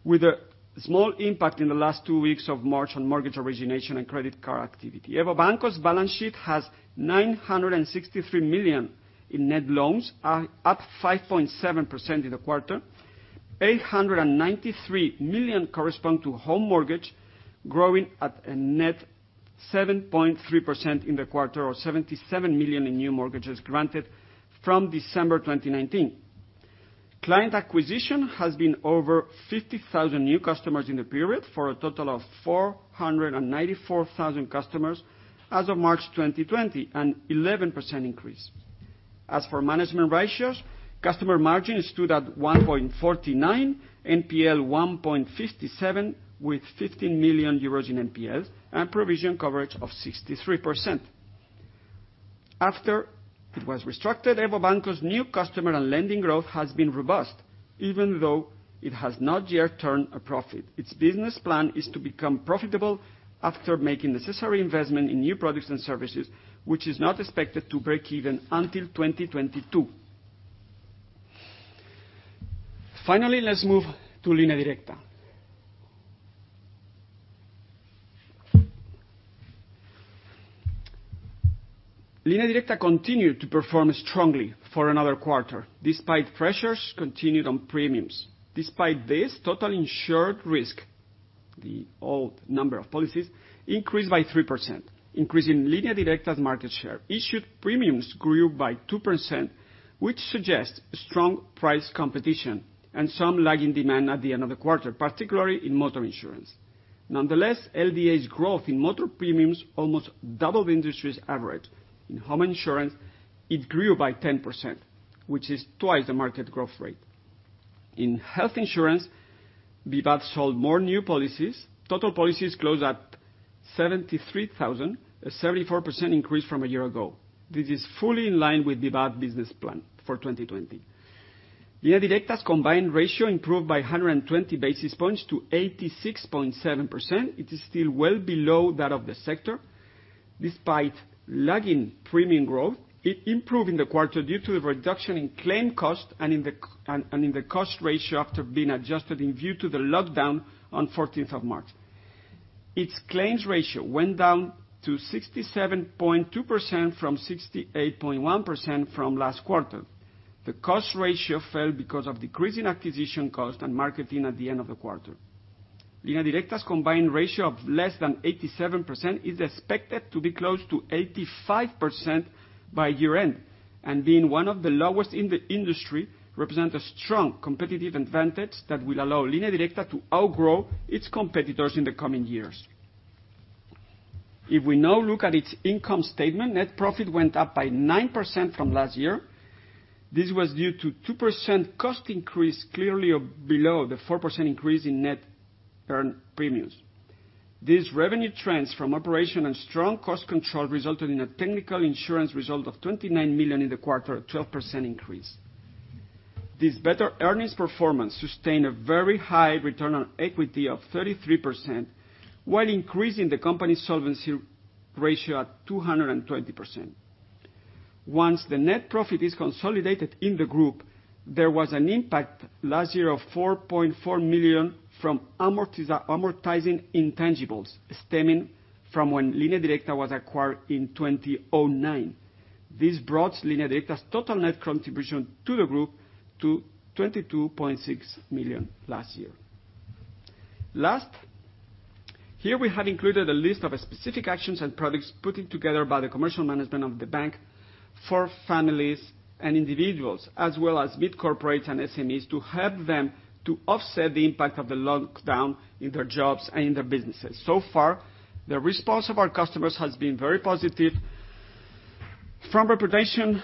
With a small impact in the last two weeks of March on mortgage origination and credit card activity. EVO Banco's balance sheet has 963 million in net loans, up 5.7% in the quarter. 893 million correspond to home mortgage, growing at a net 7.3% in the quarter or 77 million in new mortgages granted from December 2019. Client acquisition has been over 50,000 new customers in the period, for a total of 494,000 customers as of March 2020, an 11% increase. As for management ratios, customer margin stood at 1.49%, NPL 1.57% with 15 million euros in NPLs, and provision coverage of 63%. After it was restructured, EVO Banco's new customer and lending growth has been robust, even though it has not yet turned a profit. Its business plan is to become profitable after making necessary investment in new products and services, which is not expected to break even until 2022. Let's move to Línea Directa. Línea Directa continued to perform strongly for another quarter, despite pressures continued on premiums. Total insured risk, the old number of policies, increased by 3%, increasing Línea Directa's market share. Issued premiums grew by 2%, which suggests strong price competition and some lag in demand at the end of the quarter, particularly in motor insurance. LDA's growth in motor premiums almost doubled the industry's average. In home insurance, it grew by 10%, which is twice the market growth rate. In health insurance, Vivaz sold more new policies. Total policies closed at 73,000, a 74% increase from a year ago. This is fully in line with Vivaz business plan for 2020. Línea Directa's combined ratio improved by 120 basis points to 86.7%. It is still well below that of the sector. Despite lagging premium growth, it improved in the quarter due to the reduction in claim cost and in the cost ratio after being adjusted in view to the lockdown on 14th of March. Its claims ratio went down to 67.2% from 68.1% from last quarter. The cost ratio fell because of decreasing acquisition cost and marketing at the end of the quarter. Línea Directa's combined ratio of less than 87% is expected to be close to 85% by year end, and being one of the lowest in the industry, represent a strong competitive advantage that will allow Línea Directa to outgrow its competitors in the coming years. If we now look at its income statement, net profit went up by 9% from last year. This was due to 2% cost increase, clearly below the 4% increase in net earned premiums. These revenue trends from operation and strong cost control resulted in a technical insurance result of 29 million in the quarter, a 12% increase. This better earnings performance sustained a very high return on equity of 33%, while increasing the company's solvency ratio at 220%. Once the net profit is consolidated in the group, there was an impact last year of 4.4 million from amortizing intangibles, stemming from when Línea Directa was acquired in 2009. This brought Línea Directa's total net contribution to the group to 22.6 million last year. Last, here we have included a list of specific actions and products put in together by the commercial management of the bank for families and individuals, as well as mid-corporates and SMEs, to help them to offset the impact of the lockdown in their jobs and in their businesses. Far, the response of our customers has been very positive from reputation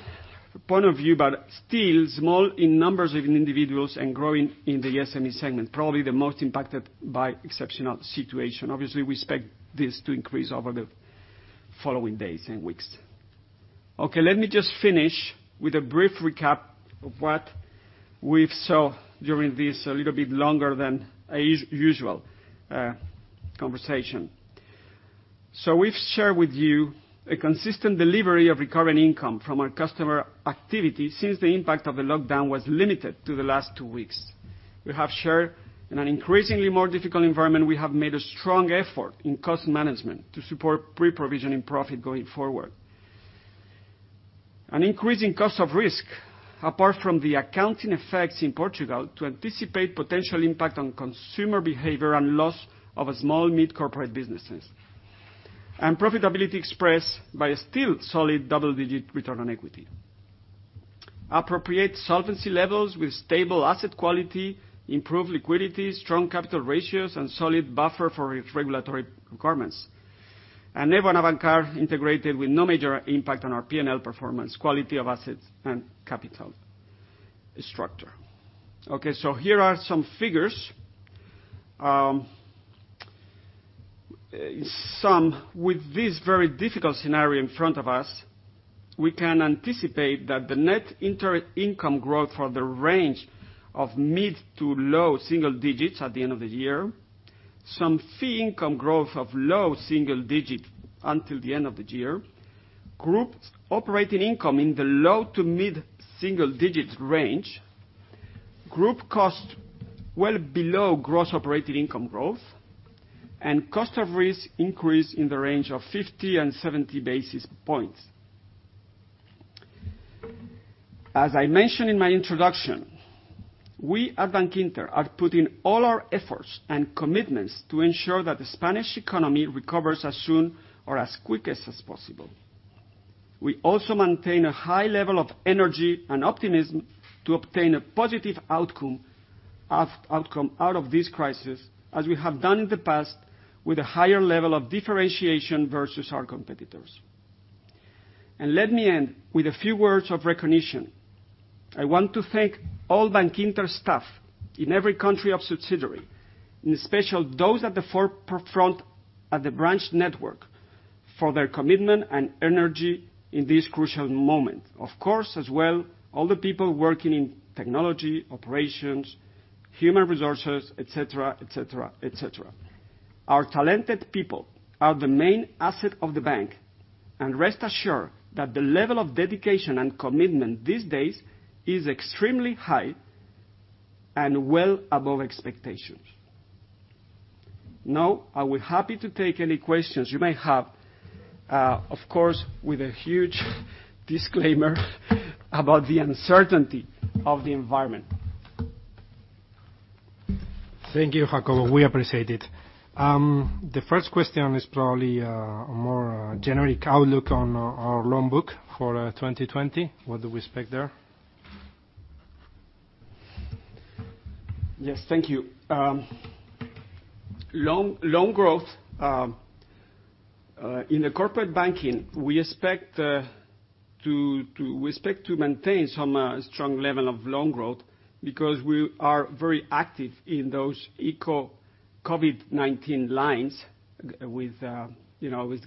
point of view, but still small in numbers of individuals and growing in the SME segment, probably the most impacted by exceptional situation. Obviously, we expect this to increase over the following days and weeks. Let me just finish with a brief recap of what we've saw during this, a little bit longer than usual conversation. We've shared with you a consistent delivery of recurring income from our customer activity since the impact of the lockdown was limited to the last two weeks. We have shared, in an increasingly more difficult environment, we have made a strong effort in cost management to support pre-provision profit going forward. An increasing cost of risk, apart from the accounting effects in Portugal, to anticipate potential impact on consumer behavior and loss of small and mid-corporate businesses. Profitability expressed by a still solid double-digit return on equity. Appropriate solvency levels with stable asset quality, improved liquidity, strong capital ratios, and solid buffer for its regulatory requirements. EVO and Avantcard integrated with no major impact on our P&L performance, quality of assets, and capital structure. Okay, here are some figures. Some with this very difficult scenario in front of us, we can anticipate that the Net Interest Income growth for the range of mid-to-low single digits at the end of the year. Some fee income growth of low single digit until the end of the year. Group operating income in the low to mid single digits range. Group cost well below gross operating income growth, and cost of risk increase in the range of 50 and 70 basis points. As I mentioned in my introduction, we at Bankinter are putting all our efforts and commitments to ensure that the Spanish economy recovers as soon or as quickly as possible. We also maintain a high level of energy and optimism to obtain a positive outcome out of this crisis, as we have done in the past, with a higher level of differentiation versus our competitors. Let me end with a few words of recognition. I want to thank all Bankinter staff in every country of subsidiary, and especially those at the forefront at the branch network for their commitment and energy in this crucial moment. Of course, as well, all the people working in technology, operations, human resources, et cetera. Our talented people are the main asset of the bank, and rest assured that the level of dedication and commitment these days is extremely high and well above expectations. Now, I will be happy to take any questions you may have, of course, with a huge disclaimer about the uncertainty of the environment. Thank you, Jacobo. We appreciate it. The first question is probably a more generic outlook on our loan book for 2020. What do we expect there? Yes, thank you. Loan growth. In the corporate banking, we expect to maintain some strong level of loan growth because we are very active in those ICO COVID-19 lines with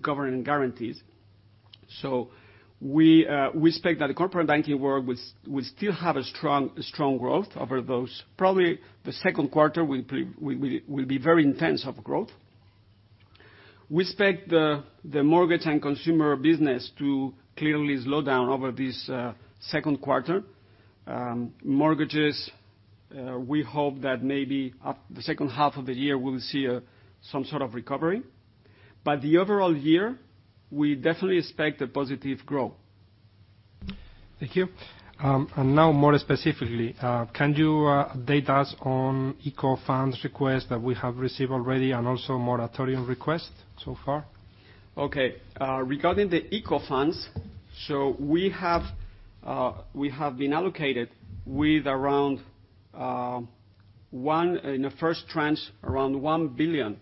government guarantees. We expect that the corporate banking world will still have a strong growth over those. Probably the second quarter will be very intense of growth. We expect the mortgage and consumer business to clearly slow down over this second quarter. Mortgages, we hope that maybe the H2 of the year, we'll see some sort of recovery. The overall year, we definitely expect a positive growth. Thank you. Now more specifically, can you update us on ICO funds requests that we have received already and also moratorium requests so far? Okay. Regarding the ICO funds, we have been allocated with, in the first tranche, around 1 billion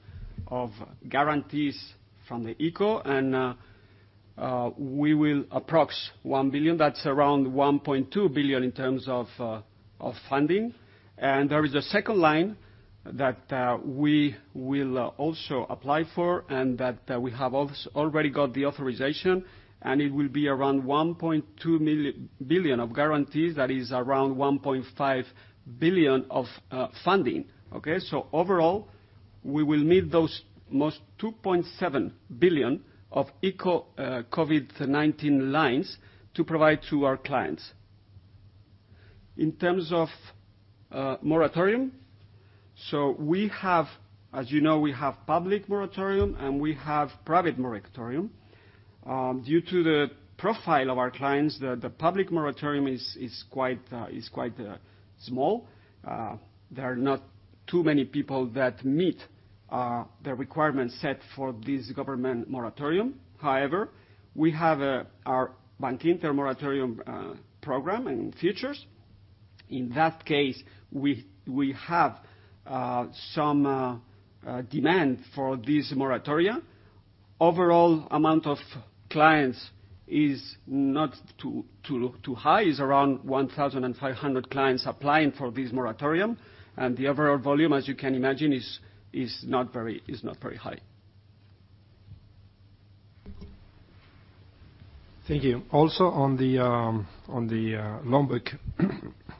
of guarantees from the ICO, and we will approx. 1 billion. That is around 1.2 billion in terms of funding. There is a second line that we will also apply for and that we have already got the authorization, and it will be around 1.2 billion of guarantees. That is around 1.5 billion of funding. Okay? Overall, we will meet those most 2.7 billion of ICO COVID-19 lines to provide to our clients. In terms of moratorium, as you know, we have public moratorium and we have private moratorium. Due to the profile of our clients, the public moratorium is quite small. There are not too many people that meet the requirements set for this government moratorium. However, we have our Bankinter moratorium program in futures. In that case, we have some demand for this moratoria. Overall amount of clients is not too high. It's around 1,500 clients applying for this moratorium. The overall volume, as you can imagine, is not very high. Thank you. On the loan book,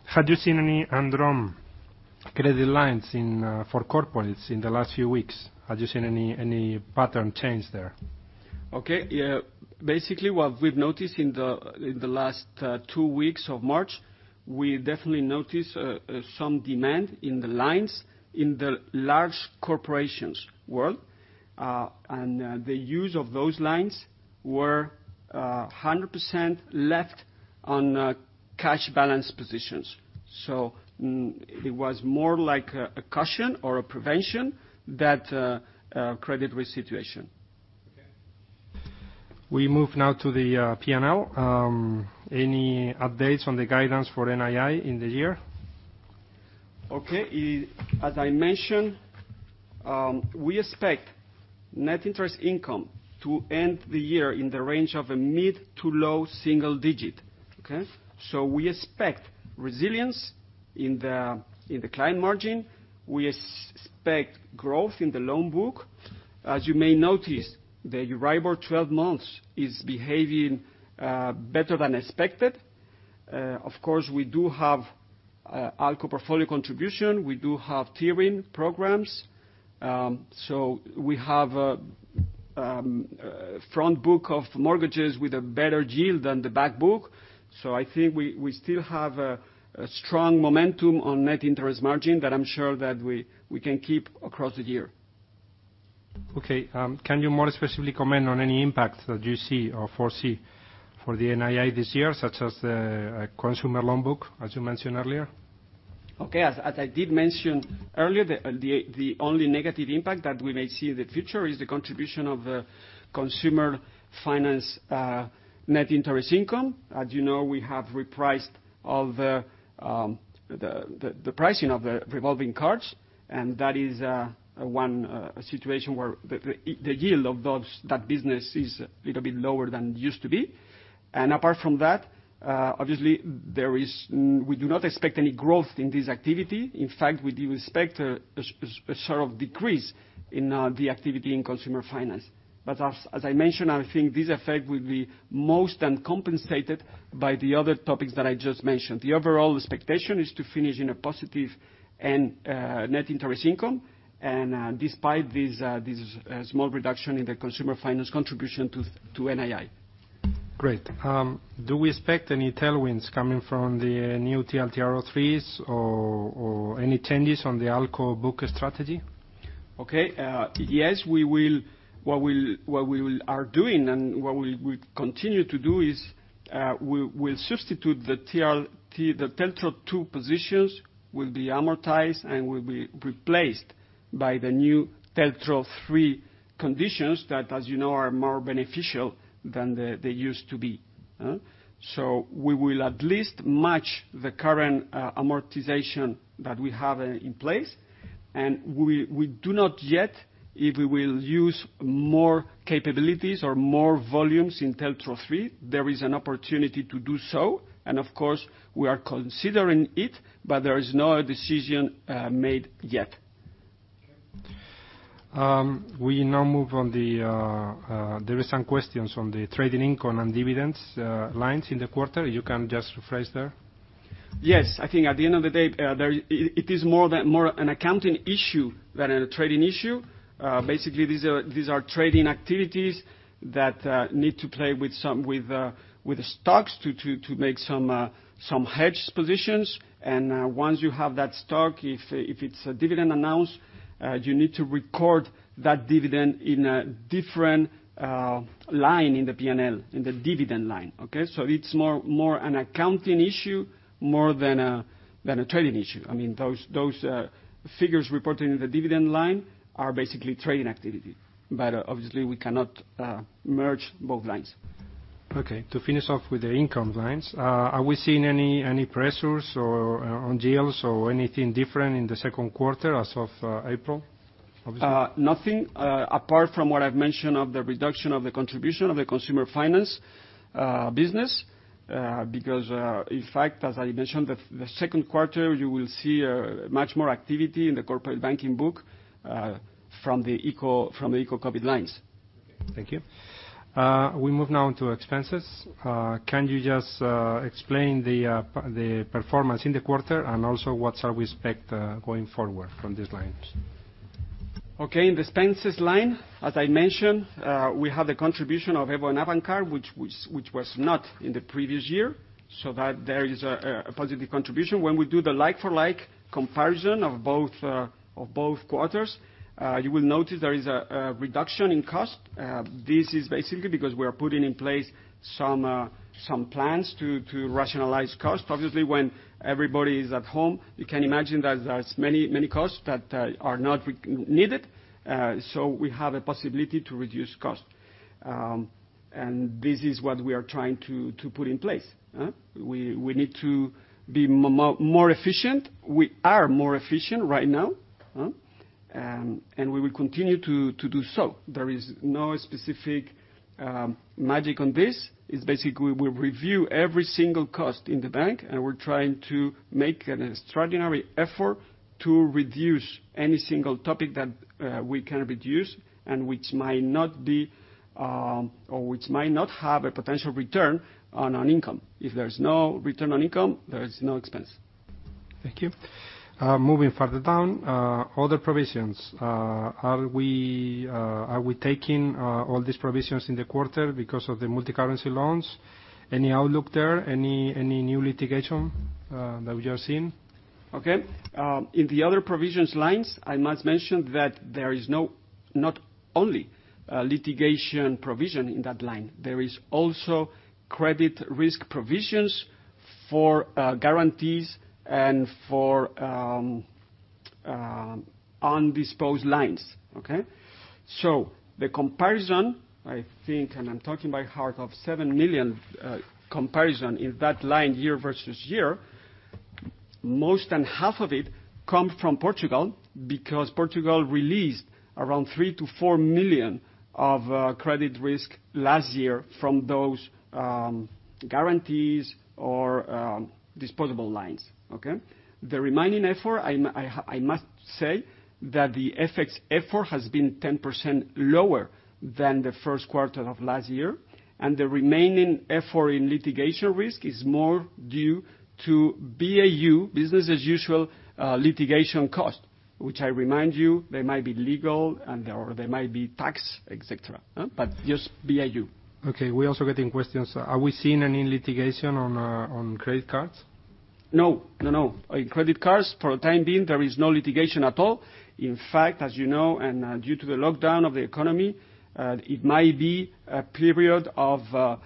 had you seen any undrawn credit lines for corporates in the last few weeks? Had you seen any pattern change there? Okay. Basically, what we've noticed in the last two weeks of March, we definitely noticed some demand in the lines in the large corporations world. The use of those lines were 100% left on cash balance positions. It was more like a caution or a prevention than a credit risk situation. Okay. We move now to the P&L. Any updates on the guidance for NII in the year? Okay. As I mentioned, we expect net interest income to end the year in the range of a mid-to-low single digit. Okay? We expect resilience in the client margin. We expect growth in the loan book. As you may notice, the EURIBOR 12 months is behaving better than expected. Of course, we do have ALCO portfolio contribution. We do have tiering programs. We have a front book of mortgages with a better yield than the back book. I think we still have a strong momentum on net interest margin that I'm sure that we can keep across the year. Okay. Can you more specifically comment on any impact that you see or foresee for the NII this year, such as the consumer loan book, as you mentioned earlier? Okay. As I did mention earlier, the only negative impact that we may see in the future is the contribution of the consumer finance net interest income. As you know, we have repriced all the pricing of the revolving cards, that is one situation where the yield of that business is a little bit lower than it used to be. Apart from that, obviously, we do not expect any growth in this activity. In fact, we do expect a sort of decrease in the activity in consumer finance. As I mentioned, I think this effect will be more than compensated by the other topics that I just mentioned. The overall expectation is to finish in a positive net interest income, and despite this small reduction in the consumer finance contribution to NII. Great. Do we expect any tailwinds coming from the new TLTRO IIIs, or any changes on the ALCO book strategy? Okay. Yes. What we are doing and what we continue to do is, we'll substitute the TLTRO II positions will be amortized and will be replaced by the new TLTRO III conditions that, as you know, are more beneficial than they used to be. We will at least match the current amortization that we have in place, and we do not yet, if we will use more capabilities or more volumes in TLTRO III. There is an opportunity to do so, and of course, we are considering it, but there is no decision made yet. We now move on. There is some questions on the trading income and dividends lines in the quarter. You can just rephrase there. Yes. I think at the end of the day, it is more an accounting issue than a trading issue. These are trading activities that need to play with the stocks to make some hedged positions. Once you have that stock, if it's a dividend announced, you need to record that dividend in a different line in the P&L, in the dividend line. Okay. It's more an accounting issue more than a trading issue. Those figures reported in the dividend line are basically trading activity. Obviously, we cannot merge both lines. Okay. To finish off with the income lines, are we seeing any pressures or on deals or anything different in the second quarter as of April, obviously? Nothing, apart from what I've mentioned of the reduction of the contribution of the consumer finance business. In fact, as I mentioned, the second quarter, you will see much more activity in the corporate banking book from the ICO COVID lines. Thank you. We move now into expenses. Can you just explain the performance in the quarter and also what shall we expect going forward from these lines? Okay. In the expenses line, as I mentioned, we have the contribution of EVO and Avantcard, which was not in the previous year. There is a positive contribution. When we do the like-for-like comparison of both quarters, you will notice there is a reduction in cost. This is basically because we are putting in place some plans to rationalize cost. Obviously, when everybody is at home, you can imagine that there's many costs that are not needed. We have a possibility to reduce cost. This is what we are trying to put in place. We need to be more efficient. We are more efficient right now. We will continue to do so. There is no specific magic on this. It's basically, we review every single cost in the bank. We're trying to make an extraordinary effort to reduce any single topic that we can reduce and which might not have a potential return on our income. If there's no return on income, there is no expense. Thank you. Moving further down. Other provisions. Are we taking all these provisions in the quarter because of the multicurrency loans? Any outlook there? Any new litigation that we are seeing? Okay. In the other provisions lines, I must mention that there is not only litigation provision in that line. There is also credit risk provisions for guarantees and for undisposed lines. Okay. The comparison, I think, and I'm talking by heart of 7 million comparison in that line year-over-year, more than half of it come from Portugal because Portugal released around 3 million-4 million of credit risk last year from those guarantees or undisposed lines. Okay. The remaining effort, I must say that the FX effort has been 10% lower than the first quarter of last year, and the remaining effort in litigation risk is more due to BAU, business as usual, litigation cost. Which I remind you, they might be legal or they might be tax, et cetera. Just BAU. Okay. We're also getting questions. Are we seeing any litigation on credit cards? No. In credit cards, for the time being, there is no litigation at all. In fact, as you know, and due to the lockdown of the economy, it might be a period of a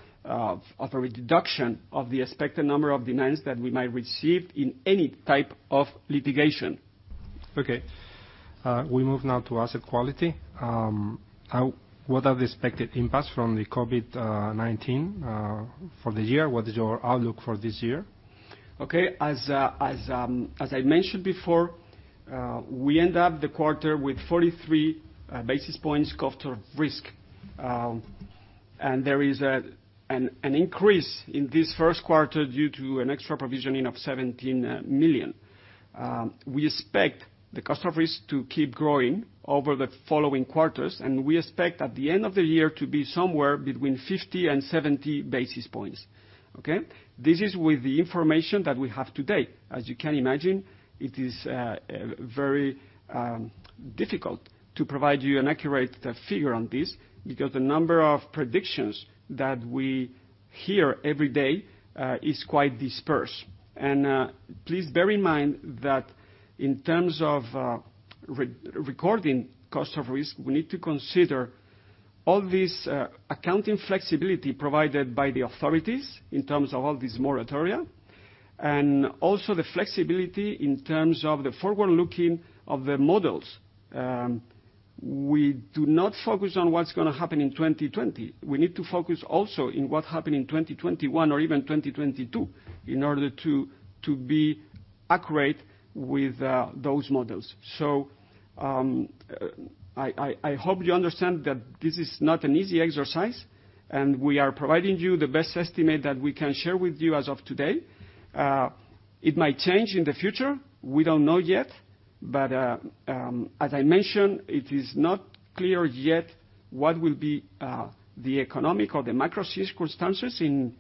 reduction of the expected number of demands that we might receive in any type of litigation. Okay. We move now to asset quality. What are the expected impacts from the COVID-19 for the year? What is your outlook for this year? Okay. As I mentioned before, we end up the quarter with 43 basis points cost of risk. There is an increase in this first quarter due to an extra provisioning of 17 million. We expect the cost of risk to keep growing over the following quarters, and we expect, at the end of the year, to be somewhere between 50 and 70 basis points. Okay. This is with the information that we have to date. As you can imagine, it is very difficult to provide you an accurate figure on this because the number of predictions that we hear every day is quite dispersed. Please bear in mind that in terms of recording cost of risk, we need to consider all this accounting flexibility provided by the authorities in terms of all this moratoria, and also the flexibility in terms of the forward-looking of the models. We do not focus on what's going to happen in 2020. We need to focus also in what happen in 2021 or even 2022 in order to be accurate with those models. I hope you understand that this is not an easy exercise, and we are providing you the best estimate that we can share with you as of today. It might change in the future. We don't know yet. As I mentioned, it is not clear yet what will be the economic or the macro circumstances in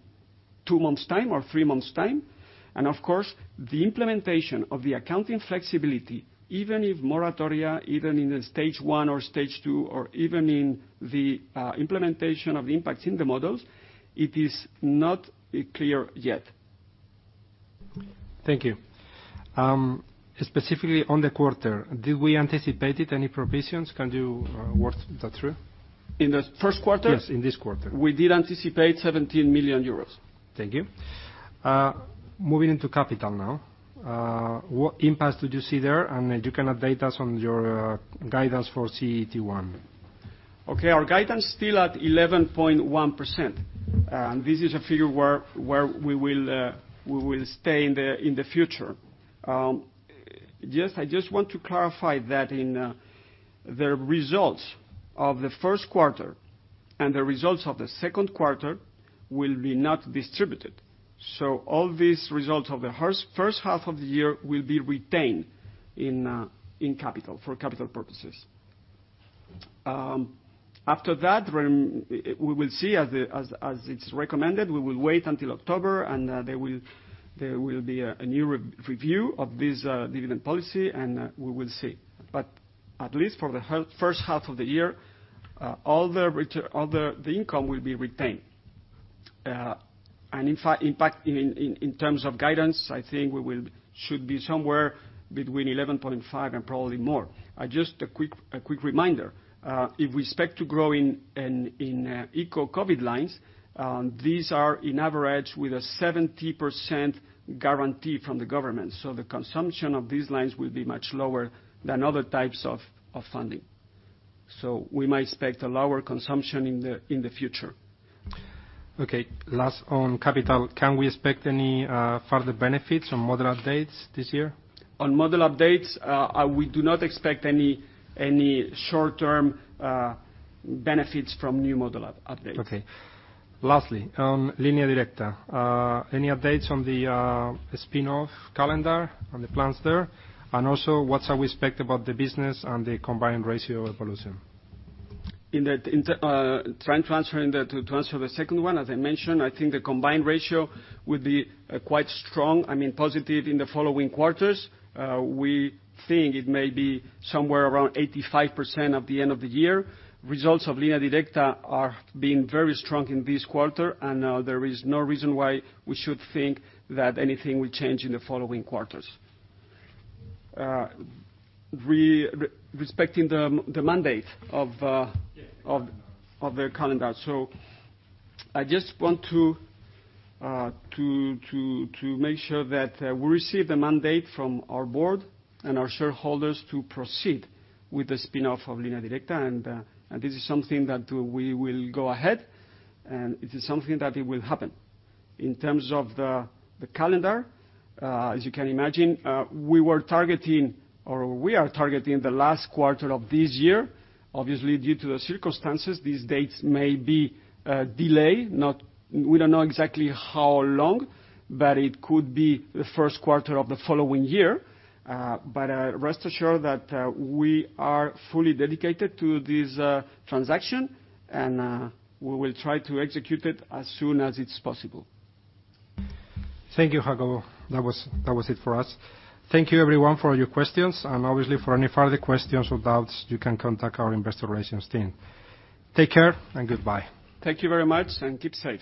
two months' time or three months' time. Of course, the implementation of the accounting flexibility, even if moratoria, even in the Stage 1 or Stage 2, or even in the implementation of the impact in the models, it is not clear yet. Thank you. Specifically, on the quarter, did we anticipate any provisions? Can you walk that through? In the first quarter? Yes, in this quarter. We did anticipate 17 million euros. Thank you. Moving into capital now. What impacts did you see there? You can update us on your guidance for CET1. Okay. Our guidance still at 11.1%. This is a figure where we will stay in the future. I just want to clarify that in the results of the first quarter, and the results of the second quarter will be not distributed. All these results of the first half of the year will be retained in capital for capital purposes. After that, we will see, as it's recommended, we will wait until October and there will be a new review of this dividend policy, and we will see. At least for the H1 of the year, all the income will be retained. In fact, impact in terms of guidance, I think we should be somewhere between 11.5% and probably more. Just a quick reminder. If we expect to grow in ICO COVID lines, these are in average with a 70% guarantee from the government. The consumption of these lines will be much lower than other types of funding. We might expect a lower consumption in the future. Okay. Last on capital, can we expect any further benefits from model updates this year? On model updates, we do not expect any short-term benefits from new model updates. Okay. Lastly, on Línea Directa, any updates on the spin-off calendar and the plans there? Also, what shall we expect about the business and the combined ratio evolution? To answer the second one, as I mentioned, I think the combined ratio will be quite strong, positive in the following quarters. We think it may be somewhere around 85% at the end of the year. Results of Línea Directa are being very strong in this quarter, and there is no reason why we should think that anything will change in the following quarters. Respecting the mandate of the calendar. I just want to make sure that we receive the mandate from our board and our shareholders to proceed with the spin-off of Línea Directa, and this is something that we will go ahead, and it is something that it will happen. In terms of the calendar, as you can imagine, we are targeting the last quarter of this year. Obviously, due to the circumstances, these dates may be delayed. We don't know exactly how long, but it could be the first quarter of the following year. Rest assured that we are fully dedicated to this transaction, and we will try to execute it as soon as it's possible. Thank you, Jacobo. That was it for us. Thank you, everyone, for all your questions. Obviously, for any further questions or doubts, you can contact our investor relations team. Take care and goodbye. Thank you very much, and keep safe.